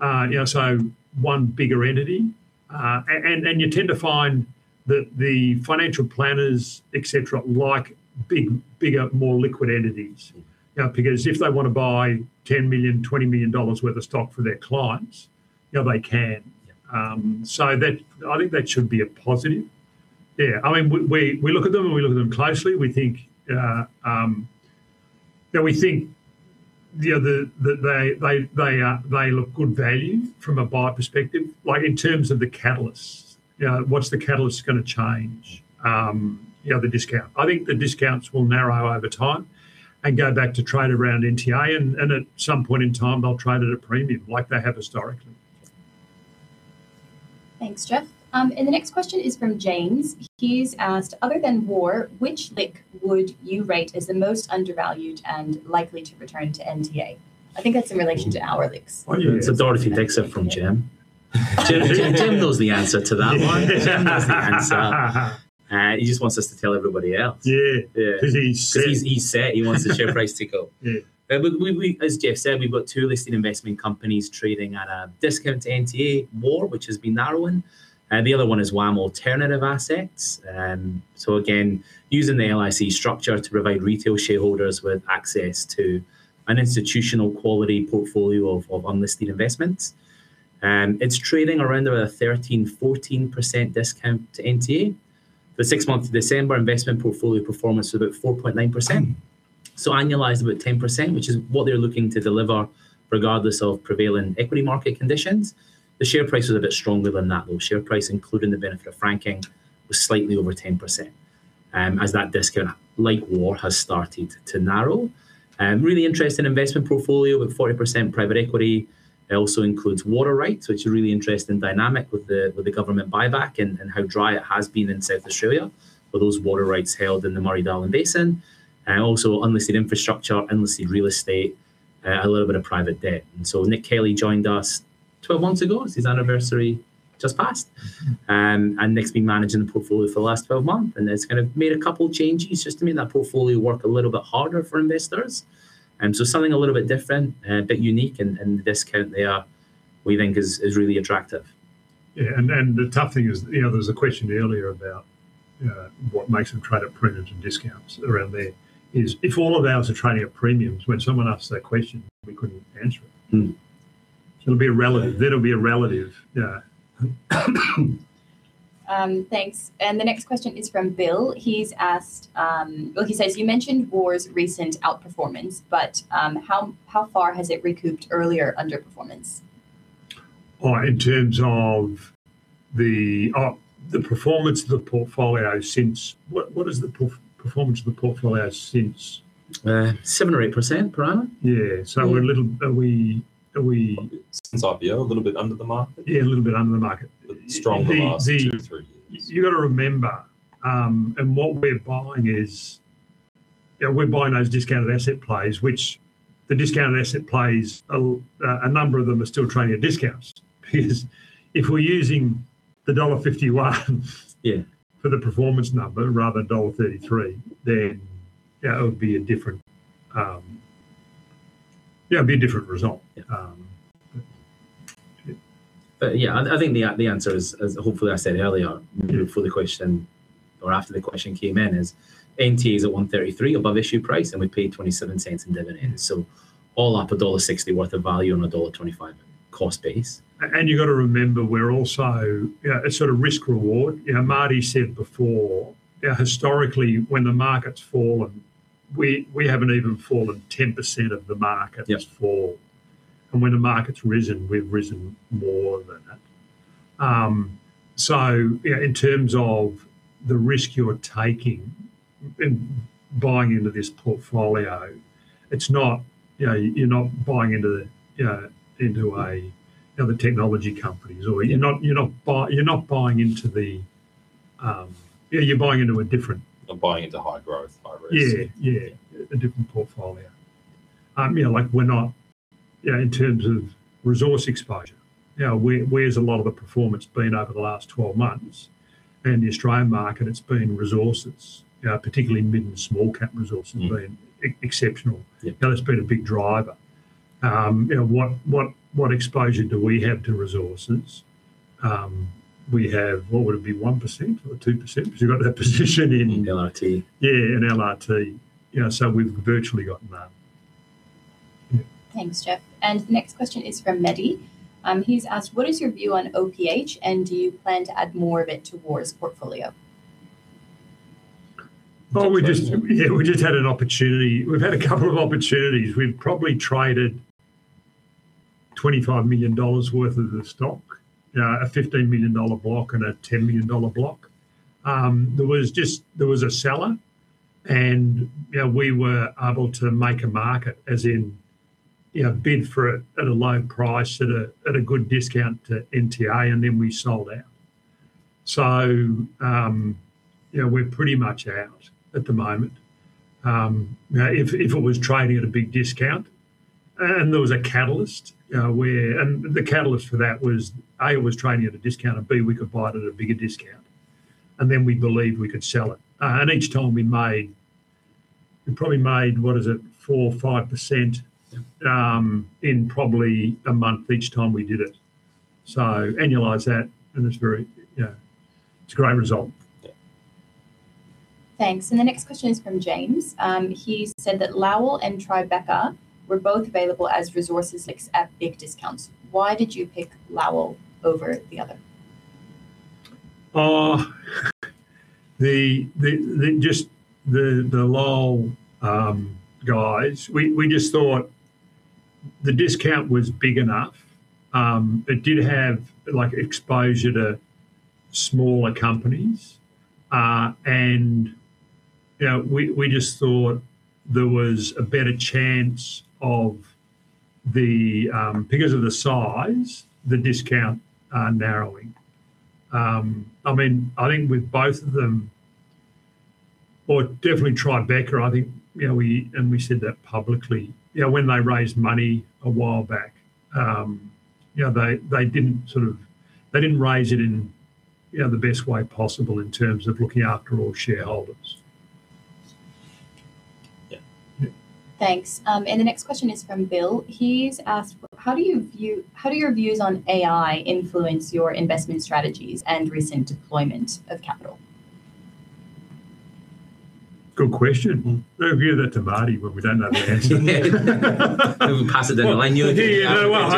You know, one bigger entity. You tend to find that the financial planners, et cetera, like big, bigger, more liquid entities. Mm. You know, because if they want to buy 10 million, 20 million dollars worth of stock for their clients, you know, they can. Yeah. That, I think that should be a positive. Yeah, I mean, we look at them, and we look at them closely. We think, you know, we think, you know, that they are, they look good value from a buyer perspective. Like, in terms of the catalysts, you know, what's the catalyst gonna change? You know, the discount. I think the discounts will narrow over time and go back to trade around NTA, and at some point in time, they'll trade at a premium, like they have historically. Thanks, Geoff. The next question is from James. He's asked: "Other than WAR, which LIC would you rate as the most undervalued and likely to return to NTA?" I think that's in relation to our LICs. It's a Dorothy Dixer from Jim. Jim knows the answer to that one. Yeah. Jim knows the answer. He just wants us to tell everybody else. Yeah. Yeah. 'Cause he's set. 'Cause he's set. He wants the share price to go. Yeah. We, as Geoff said, we've got two listed investment companies trading at a discount to NTA, WAR, which has been narrowing, the other one is WAM Alternative Assets. Again, using the LIC structure to provide retail shareholders with access to an institutional quality portfolio of unlisted investments. It's trading around about a 13%-14% discount to NTA. The 6 months to December investment portfolio performance was about 4.9%. Annualized, about 10%, which is what they're looking to deliver regardless of prevailing equity market conditions. The share price was a bit stronger than that, though. Share price, including the benefit of franking, was slightly over 10%, as that discount, like WAR, has started to narrow. Really interesting investment portfolio, with 40% private equity. It also includes water rights, which are a really interesting dynamic with the, with the government buyback and how dry it has been in South Australia for those water rights held in the Murray-Darling Basin. Also unlisted infrastructure, unlisted real estate, a little bit of private debt. Nick Kelly joined us 12 months ago. It's his anniversary just passed. Nick's been managing the portfolio for the last 12 months, and he's kind of made a couple changes just to make that portfolio work a little bit harder for investors. Something a little bit different, but unique, and the discount there, we think is really attractive. Yeah, the tough thing is, you know, there was a question earlier about what makes them trade at premiums and discounts around there, is if all of ours are trading at premiums, when someone asks that question, we couldn't answer it. Mm. It'll be a relative, that'll be a relative, yeah. Thanks. The next question is from Bill. He's asked, well, he says: "You mentioned WAR's recent outperformance, but, how far has it recouped earlier underperformance? In terms of the performance of the portfolio since... What is the performance of the portfolio since- 7% or 8%, approximately. Yeah, are we? Since IPO, a little bit under the market. Yeah, a little bit under the market. Strong in the last two, three-years. You gotta remember, you know, we're buying those discounted asset plays, which the discounted asset plays, a number of them are still trading at discounts. If we're using the dollar 1.51- Yeah For the performance number rather than dollar 1.33, then, yeah, it would be a different, yeah, it'd be a different result. Yeah. Um. Yeah, I think the answer is, as hopefully I said earlier. Mm-hmm Before the question, or after the question came in, is NTA is at 1.33 above issue price, and we paid 0.27 in dividends. All up, dollar 1.60 worth of value on a dollar 1.25 cost base. You've gotta remember, we're also. Yeah, a sort of risk reward. You know, Martyn said before, you know, historically, when the market's fallen, we haven't even fallen 10% of the market. Yep Fall. When the market's risen, we've risen more than that. you know, in terms of the risk you're taking in buying into this portfolio, it's not, you know, you're not buying into into a the technology companies or you're not buying into the different. You're buying into high growth, high risk. Yeah, yeah, a different portfolio. you know, like, we're not, you know, in terms of resource exposure, you know, where has a lot of the performance been over the last 12 months? In the Australian market, it's been resources, particularly mid and small-cap resources. Mm Been exceptional. Yep. That has been a big driver. You know, what exposure do we have to resources? We have, what would it be, 1% or 2%? 'Cause we've got that position. In LRT. Yeah, in LRT. You know, we've virtually gotten that. Yeah. Thanks, Geoff, and the next question is from Mahdi. He's asked: "What is your view on OPH, and do you plan to add more of it to WAR's portfolio? Well, we. We just, yeah, we just had an opportunity. We've had a couple of opportunities. We've probably traded 25 million dollars worth of the stock, you know, a 15 million dollar block and a 10 million dollar block. There was just, there was a seller, and, you know, we were able to make a market, as in, you know, bid for it at a low price, at a good discount to NTA, and then we sold out. You know, we're pretty much out at the moment. Now, if it was trading at a big discount, and there was a catalyst where... The catalyst for that was, A, it was trading at a discount, and B, we could buy it at a bigger discount, and then we believed we could sell it. Each time we made... We probably made, what is it, 4% or 5%? Yeah in probably a month each time we did it. Annualize that, and it's very, you know, it's a great result. Yeah. Thanks, the next question is from James. He said that Lowell and Tribeca were both available as resources at big discounts. Why did you pick Lowell over the other? The Lowell guys, we just thought the discount was big enough. It did have, like, exposure to smaller companies, you know, we just thought there was a better chance of the because of the size, the discount, narrowing. I mean, I think with both of them. Well, definitely Tribeca, I think, you know, we, and we said that publicly, you know, when they raised money a while back, you know, They didn't raise it in, you know, the best way possible in terms of looking after all shareholders. Yeah. Yeah. Thanks. The next question is from Bill. He's asked: "How do your views on AI influence your investment strategies and recent deployment of capital? Good question. Mm. We'll leave that to Martyn, we don't know the answer. Yeah. We will pass it down the line. Yeah. No, well,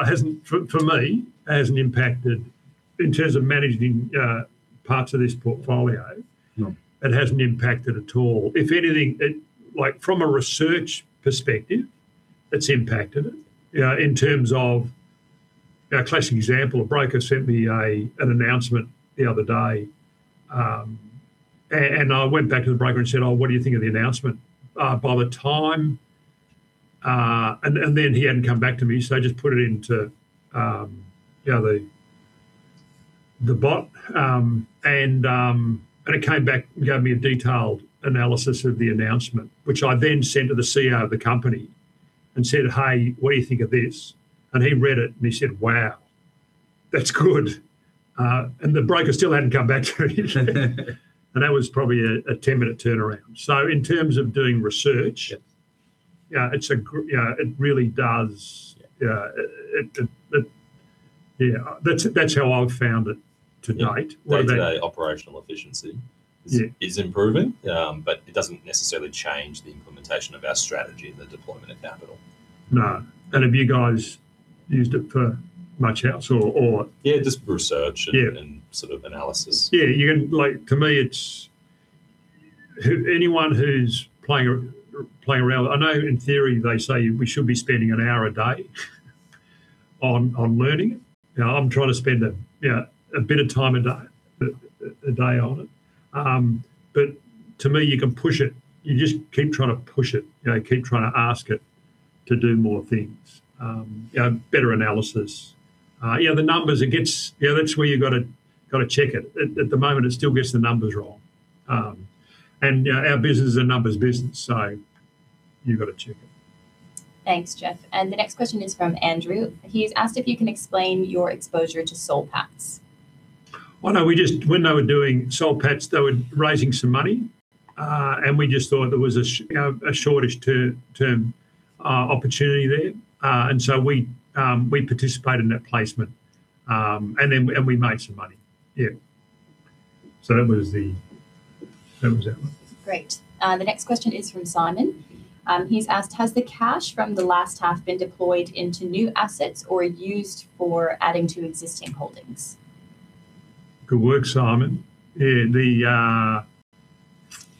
it hasn't, for me, it hasn't impacted in terms of managing parts of this portfolio- No... it hasn't impacted at all. If anything, it, like, from a research perspective, it's impacted it. You know, in terms of... A classic example, a broker sent me an announcement the other day, and I went back to the broker and said, "Oh, what do you think of the announcement?" By the time... then he hadn't come back to me, so I just put it into, you know, the bot. And it came back and gave me a detailed analysis of the announcement, which I then sent to the CEO of the company and said, "Hey, what do you think of this?" He read it, and he said, "Wow, that's good." The broker still hadn't come back to me. That was probably a 10-minute turnaround. In terms of doing research- Yeah... yeah, you know, it really does, it... Yeah, that's how I've found it to date. What about... Yeah, day-to-day operational efficiency... Yeah... is improving. It doesn't necessarily change the implementation of our strategy and the deployment of capital. No. Have you guys used it for much else or? Yeah, just for. Yeah and sort of analysis. Yeah, you can, like, to me, anyone who's playing around, I know in theory they say we should be spending 1 hour a day on learning it. You know, I'm trying to spend, you know, a bit of time a day on it. To me, you can push it. You just keep trying to push it. You know, keep trying to ask it to do more things. Yeah, better analysis. Yeah, the numbers it gets. Yeah, that's where you've gotta check it. At the moment, it still gets the numbers wrong. Yeah, our business is a numbers business. You've gotta check it. Thanks, Geoff. The next question is from Andrew. He's asked if you can explain your exposure to Soul Patts. No, when they were doing Soul Patts, they were raising some money, and we just thought there was, you know, a shortish-term opportunity there. We participated in that placement, and then, and we made some money. Yeah. That was the... That was that one. Great. The next question is from Simon. He's asked: "Has the cash from the last half been deployed into new assets or used for adding to existing holdings? Good work, Simon. Yeah, the. A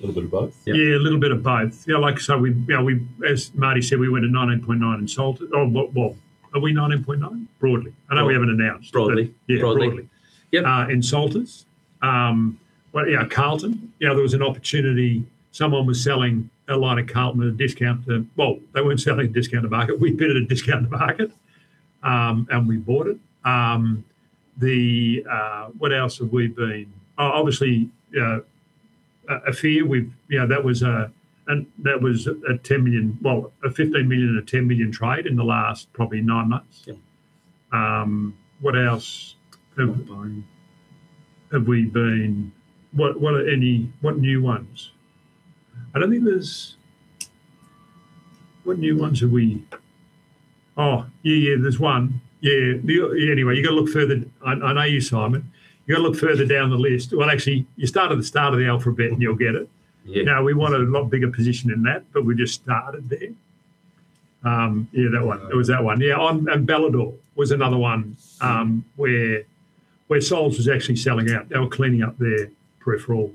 little bit of both, yeah. Yeah, a little bit of both. Yeah, like I said, we, you know, we, as Martyn said, we went to 19.9% in Salter. Oh, well, are we 19.9%? Broadly. I know we haven't announced. Broadly. Yeah, broadly. Broadly. In Salters. Carlton, there was an opportunity. Someone was selling a lot of Carlton at a discount they weren't selling at a discounted market. We bid at a discounted market, we bought it. What else have we been? Obviously, a few, that was a 10 million, a 15 million and a 10 million trade in the last probably nine months. Yeah. What else have we been? What new ones? I don't think there's. There's one. Anyway, you've got to look further. I know you, Simon. You've got to look further down the list. Actually, you start at the start of the alphabet, and you'll get it. Yeah. We want a lot bigger position in that, but we just started there. Yeah, that one. That one. It was that one. Bailador was another one, where Soul's was actually selling out. They were cleaning up their peripheral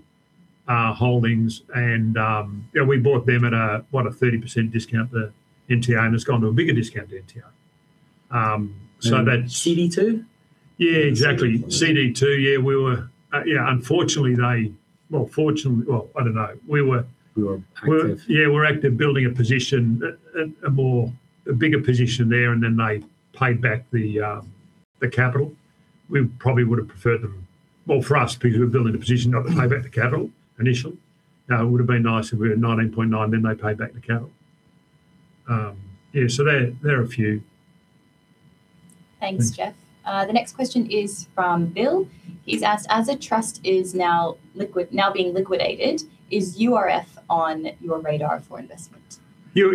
holdings, and we bought them at a 30% discount, the NTA, and it's gone to a bigger discount to NTA. CD2? Yeah, exactly. CD2. CD2, yeah, we were. Yeah, unfortunately, they, well, fortunately, well, I don't know. We were active. We were, yeah, we're active building a bigger position there, then they paid back the capital. We probably would have preferred them, well, for us, because we're building a position not to pay back the capital initially. It would've been nice if we were at 19.9, then they paid back the capital. Yeah, there are a few. Thanks, Geoff. Thank you. The next question is from Bill. He's asked, "As the trust is now liquid, now being liquidated, is URF on your radar for investment? Yeah,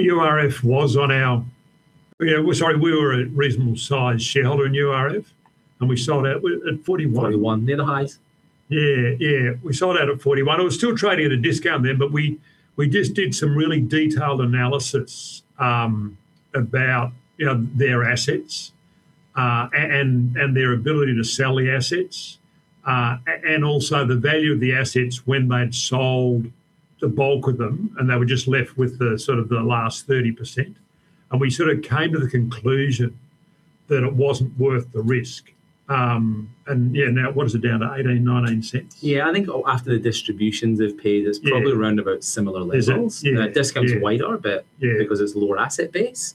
sorry, we were a reasonable-sized shareholder in URF, and we sold out at 41. 41 near the highs. Yeah, yeah, we sold out at 0.41. It was still trading at a discount then, but we just did some really detailed analysis, about, you know, their assets, and their ability to sell the assets, and also the value of the assets when they'd sold the bulk of them, and they were just left with the sort of the last 30%. We sort of came to the conclusion that it wasn't worth the risk. Yeah, now, what is it down to? 0.18, 0.19. Yeah, I think after the distributions they've paid- Yeah It's probably around about similar levels. Is it? Yeah. The discount's wider. Yeah Because it's lower asset base.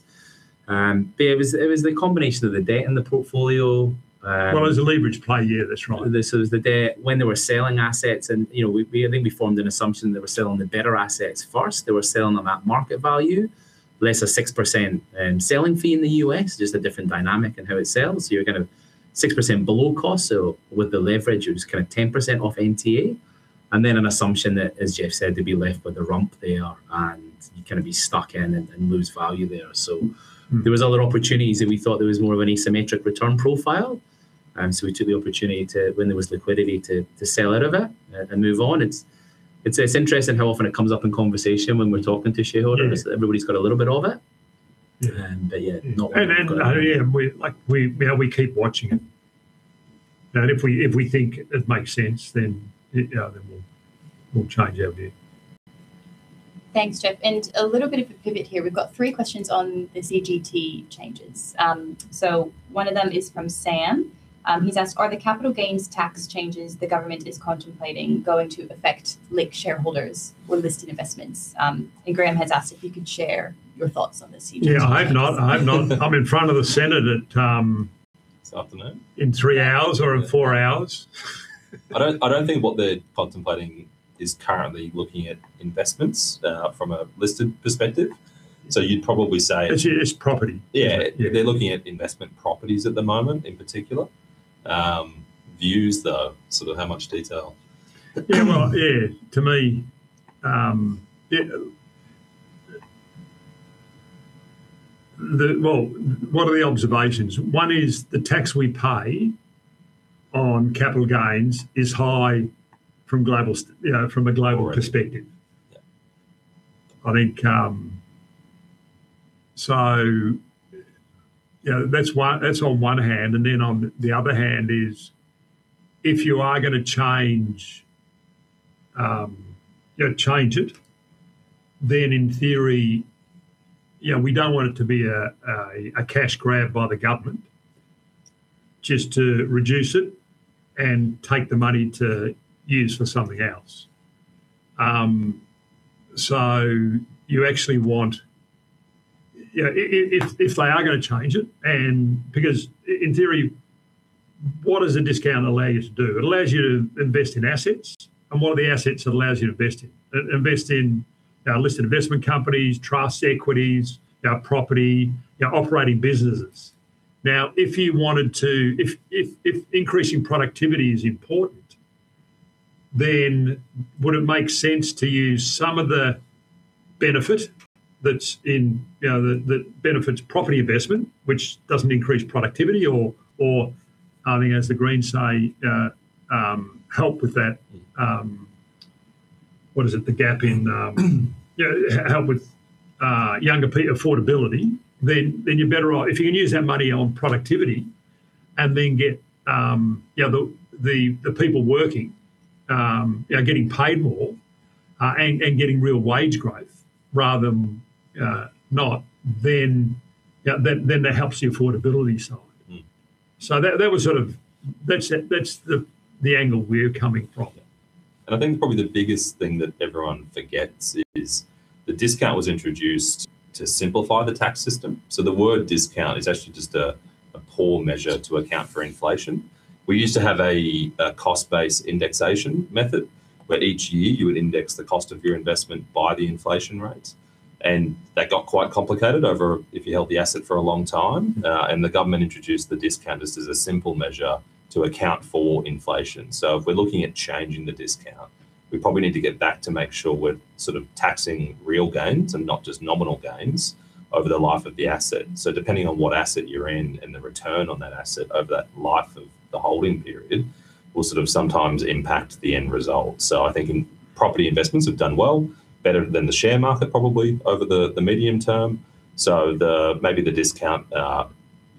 It was the combination of the debt in the portfolio. Well, it was a leverage play, yeah, that's right. This was the debt when they were selling assets, and, you know, we I think we formed an assumption they were selling the better assets first. They were selling them at market value, less a 6% selling fee in the US. Just a different dynamic in how it sells. You're gonna 6% below cost, so with the leverage, it was kind of 10% off NTA, and then an assumption that, as Geoff said, to be left with a rump there, and you're gonna be stuck in and lose value there. Mm There was other opportunities that we thought there was more of an asymmetric return profile, so we took the opportunity to, when there was liquidity, to sell out of it and move on. It's interesting how often it comes up in conversation when we're talking to shareholders. Yeah. Everybody's got a little bit of it. Yeah. Yeah, not very good. Yeah, we, like, we, you know, we keep watching it, and if we think it makes sense, then, yeah, then we'll change our view. Thanks, Geoff. A little bit of a pivot here. We've got three questions on the CGT changes. One of them is from Sam. He's asked: "Are the capital gains tax changes the government is contemplating going to affect LIC shareholders or listed investments?" Graham has asked if you could share your thoughts on this CGT. Yeah, I hope not. I hope not. I'm in front of the Senate at. This afternoon. In three hours or in four hours. I don't think what they're contemplating is currently looking at investments from a listed perspective. You'd probably say. It's just property. Yeah. Yeah. They're looking at investment properties at the moment, in particular. Views, though, sort of how much detail? Yeah, well, yeah, to me. Well, what are the observations? One is the tax we pay on capital gains is high from global, you know, from a global perspective. Right. Yeah. I think, you know, that's one, that's on one hand, and on the other hand is, if you are gonna change, you know, change it, in theory, you know, we don't want it to be a cash grab by the government. Just to reduce it and take the money to use for something else. You actually want, yeah, if they are gonna change it, because in theory, what does a discount allow you to do? It allows you to invest in assets. What are the assets it allows you to invest in? Invest in, listed investment companies, trusts, equities, property, operating businesses. Now, if you wanted to, if increasing productivity is important, then would it make sense to use some of the benefit that's in, you know, the, that benefits property investment, which doesn't increase productivity or I think as the Greens say, help with that, what is it? The gap in, you know, help with younger affordability, then you're better off, if you can use that money on productivity, and then get, yeah, the people working, you know, getting paid more, and getting real wage growth rather than, not, then that helps the affordability side. Mm. That was sort of. That's the angle we're coming from. I think probably the biggest thing that everyone forgets is, the discount was introduced to simplify the tax system. The word discount is actually just a poor measure to account for inflation. We used to have a cost-based indexation method, where each year you would index the cost of your investment by the inflation rates. That got quite complicated if you held the asset for a long time. Mm. The government introduced the discount just as a simple measure to account for inflation. If we're looking at changing the discount, we probably need to get back to make sure we're sort of taxing real gains and not just nominal gains over the life of the asset. Depending on what asset you're in, and the return on that asset over that life of the holding period, will sort of sometimes impact the end result. I think property investments have done well, better than the share market, probably, over the medium term. The, maybe the discount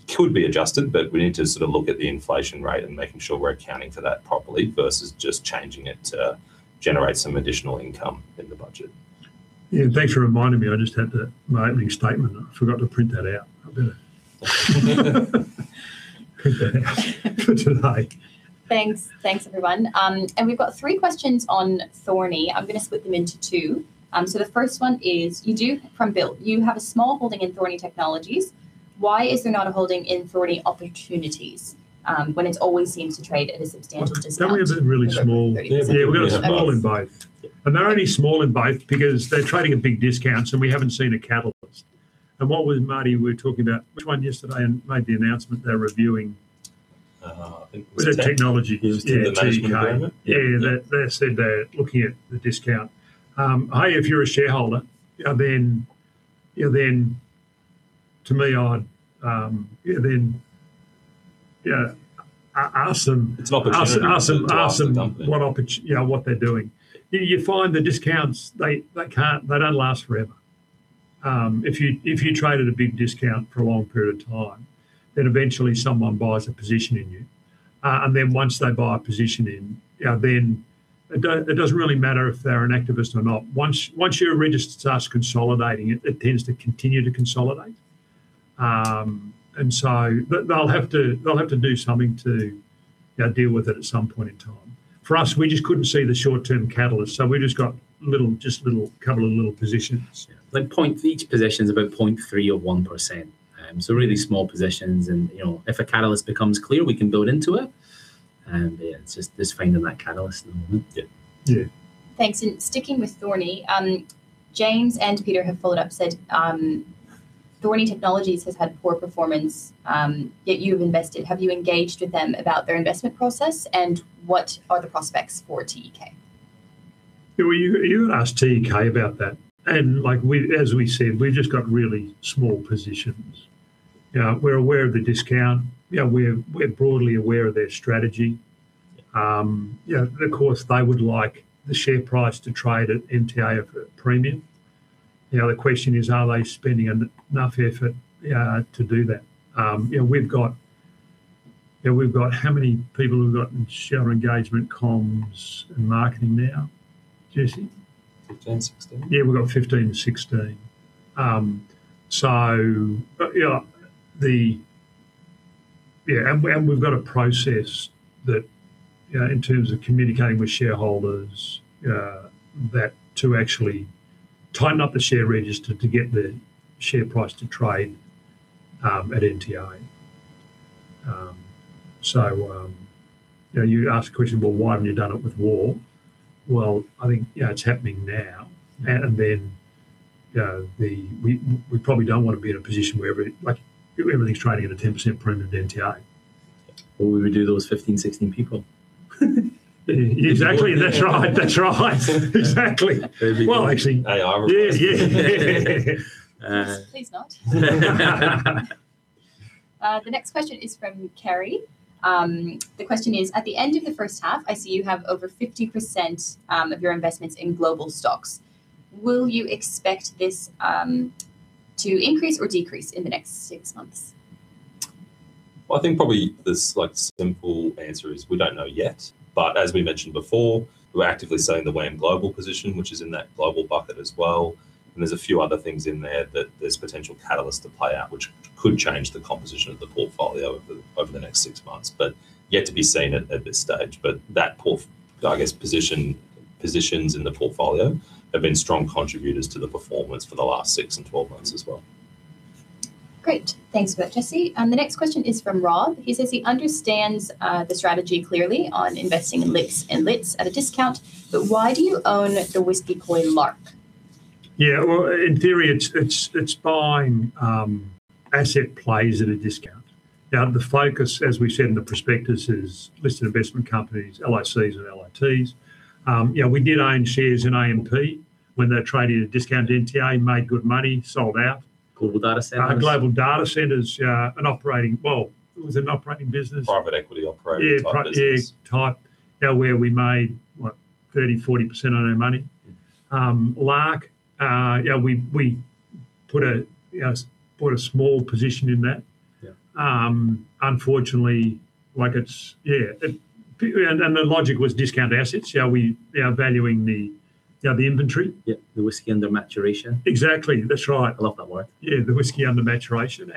could be adjusted, but we need to sort of look at the inflation rate and making sure we're accounting for that properly, versus just changing it to generate some additional income in the budget. Thanks for reminding me. I just had the mailing statement. I forgot to print that out. I'd better print that out for tonight. Thanks. Thanks, everyone. We've got three questions on Thorney. I'm gonna split them into two. The first one is, From Bill "You have a small holding in Thorney Technologies. Why is there not a holding in Thorney Opportunities, when it always seems to trade at a substantial discount? Well, we have a really small- Yeah. Yeah, we've got a small in both. Yeah. They're only small in both because they're trading at big discounts, and we haven't seen a catalyst. What was, Martyn, we were talking about which one yesterday and made the announcement they're reviewing? I think. The technology. Was the management team. Yeah, they said they're looking at the discount. Hey, if you're a shareholder, then, you know, then to me, I'd. Yeah, ask them. It's an opportunity- Ask them. To ask them. What you know, what they're doing. You find the discounts, they can't, they don't last forever. If you trade at a big discount for a long period of time, then eventually someone buys a position in you. Once they buy a position in, then it doesn't really matter if they're an activist or not. Once your register starts consolidating, it tends to continue to consolidate. They'll have to do something to, you know, deal with it at some point in time. For us, we just couldn't see the short-term catalyst, we just got a couple of little positions. Like, each position's about 0.3 or 1%. Really small positions. You know, if a catalyst becomes clear, we can build into it. Yeah, it's just finding that catalyst at the moment. Yeah. Yeah. Thanks, sticking with Thorney, James and Peter have followed up, said, "Thorney Technologies has had poor performance, yet you've invested. Have you engaged with them about their investment process, and what are the prospects for TEK? Well, you ask TEK about that. Like we, as we said, we've just got really small positions. You know, we're aware of the discount. We're broadly aware of their strategy. Of course, they would like the share price to trade at NTA at a premium. You know, the question is, are they spending enough effort to do that? You know, we've got how many people we've got in shareholder engagement, comms, and marketing now, Jesse? 15, 16. Yeah, we've got 15 to 16. Yeah, we've got a process that in terms of communicating with shareholders that to actually tighten up the share register to get the share price to trade at NTA. You know, you asked a question, well, why haven't you done it with WAR? I think, you know, it's happening now, and then we probably don't want to be in a position where everything's trading at a 10% premium to NTA. What would we do with those 15, 16 people? Exactly. That's right. That's right. Exactly. They'd be. Well. AI replaced. Yeah, yeah. Please not. The next question is from Kerry. The question is: "At the end of the first half, I see you have over 50% of your investments in global stocks. Will you expect this to increase or decrease in the next six months? Well, I think probably the, like, simple answer is we don't know yet. As we mentioned before, we're actively selling the WAM Global position, which is in that global bucket as well. There's a few other things in there that there's potential catalyst to play out, which could change the composition of the portfolio over the next six months. Yet to be seen at this stage. That poor, I guess, positions in the portfolio have been strong contributors to the performance for the last six and 12 months as well. Great. Thanks for that, Jesse. The next question is from Rob. He says he understands the strategy clearly on investing in LICs and LITs at a discount, but why do you own the whiskey play Lark? Yeah, well, in theory, it's buying asset plays at a discount. The focus, as we said in the prospectus, is listed investment companies, LICs and LITs. Yeah, we did own shares in AMP when they were trading at a discount to NTA, made good money, sold out. Global Data Centres. Global Data Centres, yeah, Well, it was an operating business. Private equity operating-type business. Yeah, type. Where we made, what, 30%, 40% on our money. Yeah. Lark, yeah, we put a small position in that. Yeah. Unfortunately, like, it's. Yeah, and the logic was discount assets. Yeah, we are valuing the, yeah, the inventory. Yeah, the whiskey under maturation. Exactly, that's right. I love that word. Yeah, the whiskey under maturation.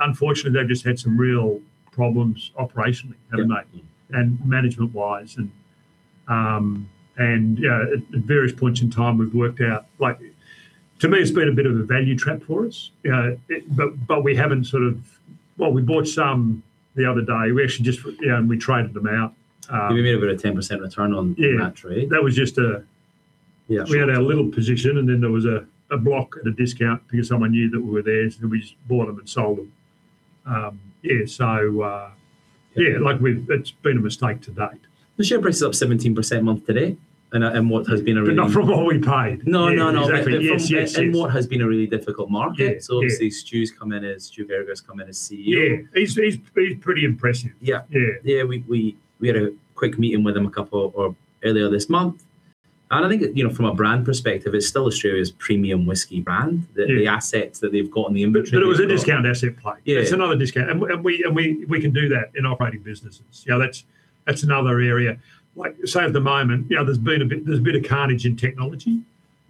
Unfortunately, they've just had some real problems operationally. Yeah Haven't they? Management-wise, and, yeah, at various points in time, we've worked out, like. To me, it's been a bit of a value trap for us. You know, but we haven't sort of. Well, we bought some the other day. We actually just, and we traded them out. We made about a 10% return on- Yeah on that trade. That was just a- Yeah We had our little position. Then there was a block at a discount because someone knew that we were there. We just bought them and sold them. Yeah, like it's been a mistake to date. The share price is up 17% month to date, and what has been a. Not from what we paid. No, no. Exactly. Yes, yes. What has been a really difficult market. Yeah, yeah. Obviously, Stuart Vargas come in as Chief Executive Officer. Yeah. He's pretty impressive. Yeah. Yeah. Yeah, we had a quick meeting with him earlier this month. I think, you know, from a brand perspective, it's still Australia's premium whiskey brand. Yeah. The assets that they've got and the inventory they've got. It was a discount asset play. Yeah. It's another discount, and we can do that in operating businesses. You know, that's another area. Like, say, at the moment, you know, there's been a bit, there's a bit of carnage in technology.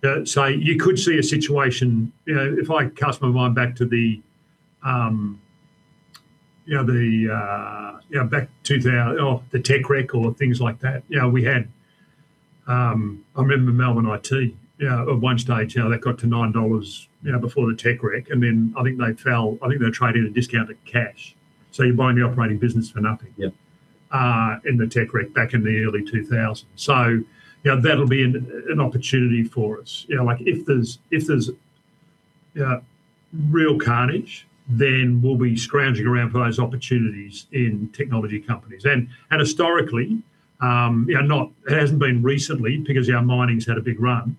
You could see a situation, you know, if I cast my mind back to the, you know, the, you know, back in the tech wreck or things like that, you know, we had. I remember Melbourne IT, you know, at one stage, you know, that got to 9 dollars, you know, before the tech wreck, and then I think they fell, I think they were trading at a discount to cash. You're buying the operating business for nothing. Yeah in the tech wreck back in the early 2000s. You know, that'll be an opportunity for us. You know, like if there's real carnage, then we'll be scrounging around for those opportunities in technology companies. Historically, you know, not, it hasn't been recently, because, yeah, mining's had a big run,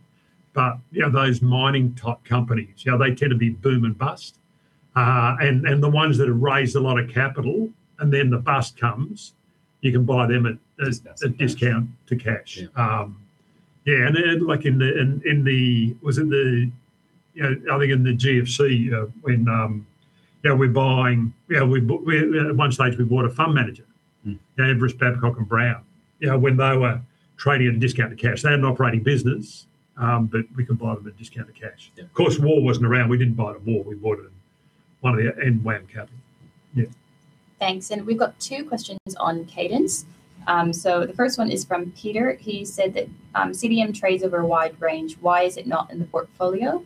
but, you know, those mining-type companies, yeah, they tend to be boom and bust. The ones that have raised a lot of capital, and then the bust comes, you can buy them. Discount a discount to cash. Yeah. Like in the, you know, I think in the GFC, when, you know, we're buying, you know, at one stage, we bought a fund manager. Mm. You know, Briscoe, Babcock & Brown. You know, when they were trading at a discount to cash. They had an operating business, but we could buy them at a discount to cash. Yeah. Of course, WAR wasn't around. We didn't buy them at WAR. We bought them one of the, in WAM Capital. Yeah. Thanks, we've got two questions on Cadence. The first one is from Peter. He said that, "CDM trades over a wide range. Why is it not in the portfolio?"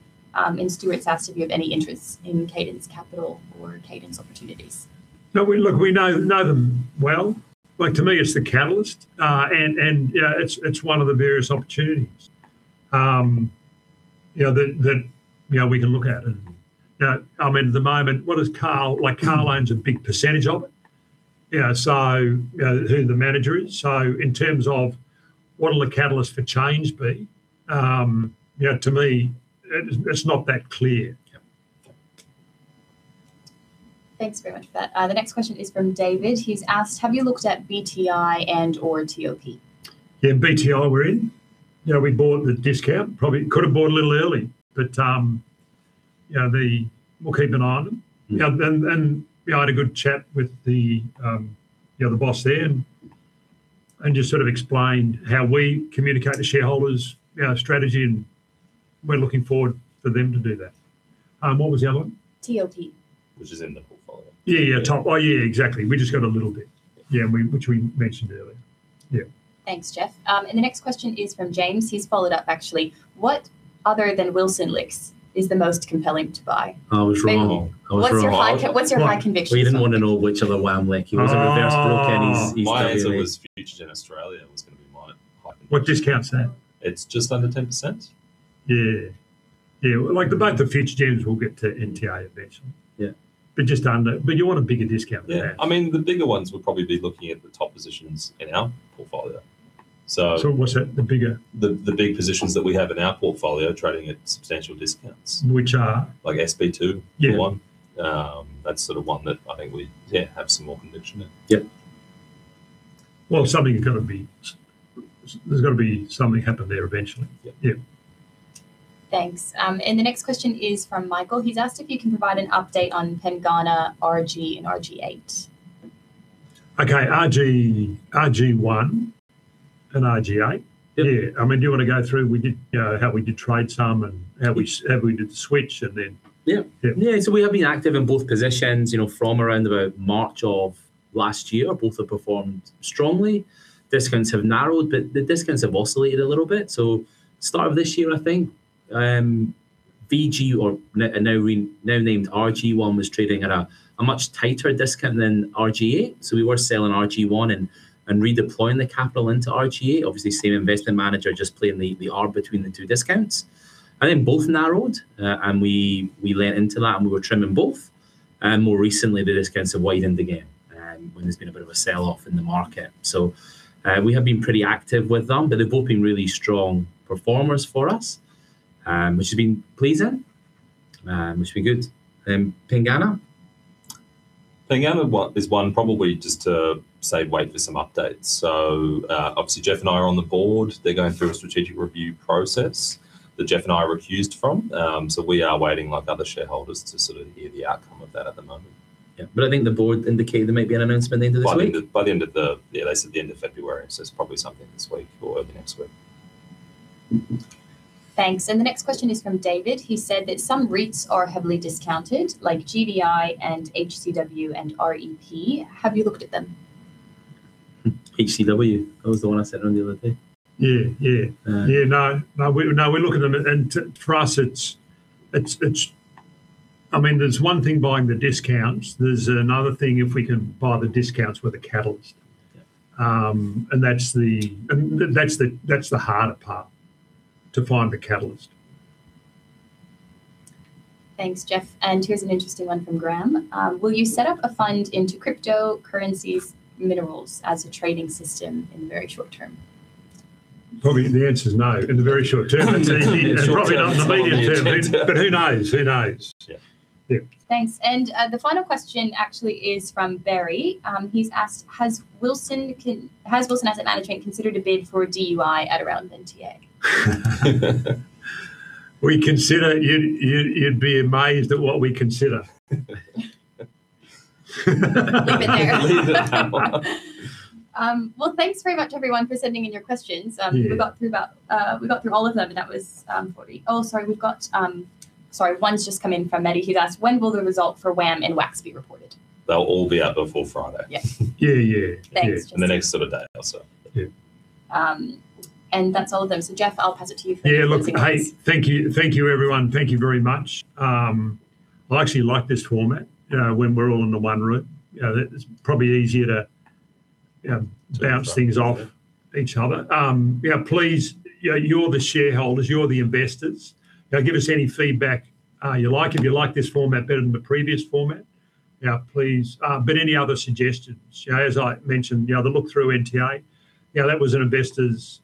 Stuart has asked if you have any interest in Cadence Capital or Cadence Opportunities. No, we know them well. Like, to me, it's the catalyst, and, you know, it's one of the various opportunities, you know, that, you know, we can look at. You know, I mean, at the moment, what does Karl, like, Karl owns a big percentage of it, you know, so, who the manager is. In terms of what will the catalyst for change be, you know, to me, it's not that clear. Yeah. Thanks very much for that. The next question is from David. He's asked: "Have you looked at BTI and/or TOP? Yeah, BTI, we're in. You know, we bought the discount. Probably could have bought a little early, but, you know. We'll keep an eye on them. Mm. You know, I had a good chat with the, you know, the boss there, and just sort of explained how we communicate to shareholders, you know, strategy, and we're looking forward for them to do that. What was the other one? TOP. Which is in the portfolio. Yeah, yeah, Top. Oh, yeah, exactly. We just got a little bit. Yeah, we, which we mentioned earlier. Yeah. Thanks, Geoff. The next question is from James. He's followed up, actually: "What, other than Wilson LICs, is the most compelling to buy? I was wrong. What's your high- I was wrong. What's your high-conviction stock? We didn't want to know which other WAM LIC. Oh! He was a reverse road count. He's My answer was Future Gen Australia was gonna be my high conviction. What discount's that? It's just under 10%. Yeah. Yeah, well, like the both of Future Gens will get to NTA eventually. Yeah. You want a bigger discount than that. Yeah. I mean, the bigger ones would probably be looking at the top positions in our portfolio, so. What's that, the bigger? The big positions that we have in our portfolio trading at substantial discounts. Which are? Like SP Two. Yeah Is one. That's sort of one that I think we, yeah, have some more conviction in. Yeah. Well, there's gotta be something happen there eventually. Yeah. Yeah. Thanks. The next question is from Michael. He's asked if you can provide an update on Pengana, RG, and RG8. Okay, RG, RG1 and RG8? Yeah. Yeah. I mean, do you want to go through? We did, you know, how we did trade some, and how we did the switch, and then- Yeah. Yeah. Yeah, we have been active in both positions, you know, from around about March of last year. Both have performed strongly. Discounts have narrowed, the discounts have oscillated a little bit. Start of this year. VG or now named RG1, was trading at a much tighter discount than RGA. We were selling RG1 and redeploying the capital into RGA. Obviously, same investment manager, just playing the arb between the two discounts. Both narrowed, and we leaned into that, and we were trimming both. More recently, the discounts have widened again, when there's been a bit of a sell-off in the market. We have been pretty active with them, but they've both been really strong performers for us, which has been pleasing, which has been good. Pengana? Pengana, well, is one probably just to say wait for some updates. Obviously, Geoff and I are on the board. They're going through a strategic review process that Geoff and I are recused from. We are waiting, like other shareholders, to sort of hear the outcome of that at the moment. Yeah, I think the board indicated there might be an announcement the end of this week? Yeah, they said the end of February. It's probably something this week or next week. Thanks. The next question is from David. He said that some REITs are heavily discounted, like GDI, and HCW, and REP. Have you looked at them? HCW, that was the one I said on the other day. Yeah, yeah. Yeah. No, we're looking at them, and for us, it's, I mean, there's one thing buying the discounts, there's another thing if we can buy the discounts with a catalyst. Yeah. I mean, that's the harder part, to find the catalyst. Thanks, Geoff. Here's an interesting one from Graham. Will you set up a fund into cryptocurrencies minerals as a trading system in the very short term? Probably the answer is no, in the very short term. In the short term Probably not in the medium term, but who knows? Who knows. Yeah. Yeah. Thanks. The final question actually is from Barry. He's asked, "Has Wilson Asset Management considered a bid for DUI at around NTA? You'd be amazed at what we consider. Leave it there. Leave it. Thanks very much everyone for sending in your questions. Yeah. We got through all of them, and that was 40. Sorry, one's just come in from Eddie, who's asked, "When will the result for WAM and WAX be reported? They'll all be out before Friday. Yes. Yeah, yeah. Thanks. In the next sort of day or so. Yeah. That's all of them. Geoff, I'll pass it to you for any closing remarks. Yeah, look, hey, thank you, thank you, everyone. Thank you very much. I actually like this format, you know, when we're all in the one room. You know, it's probably easier to. Yeah bounce things off each other. Please, you know, you're the shareholders, you're the investors, you know, give us any feedback, you like. If you like this format better than the previous format, please. Any other suggestions, you know, as I mentioned, you know, the look-through NTA, you know, that was an investor's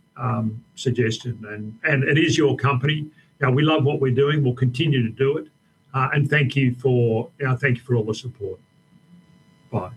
suggestion, and it is your company. You know, we love what we're doing, we'll continue to do it. Thank you for, you know, thank you for all the support. Bye.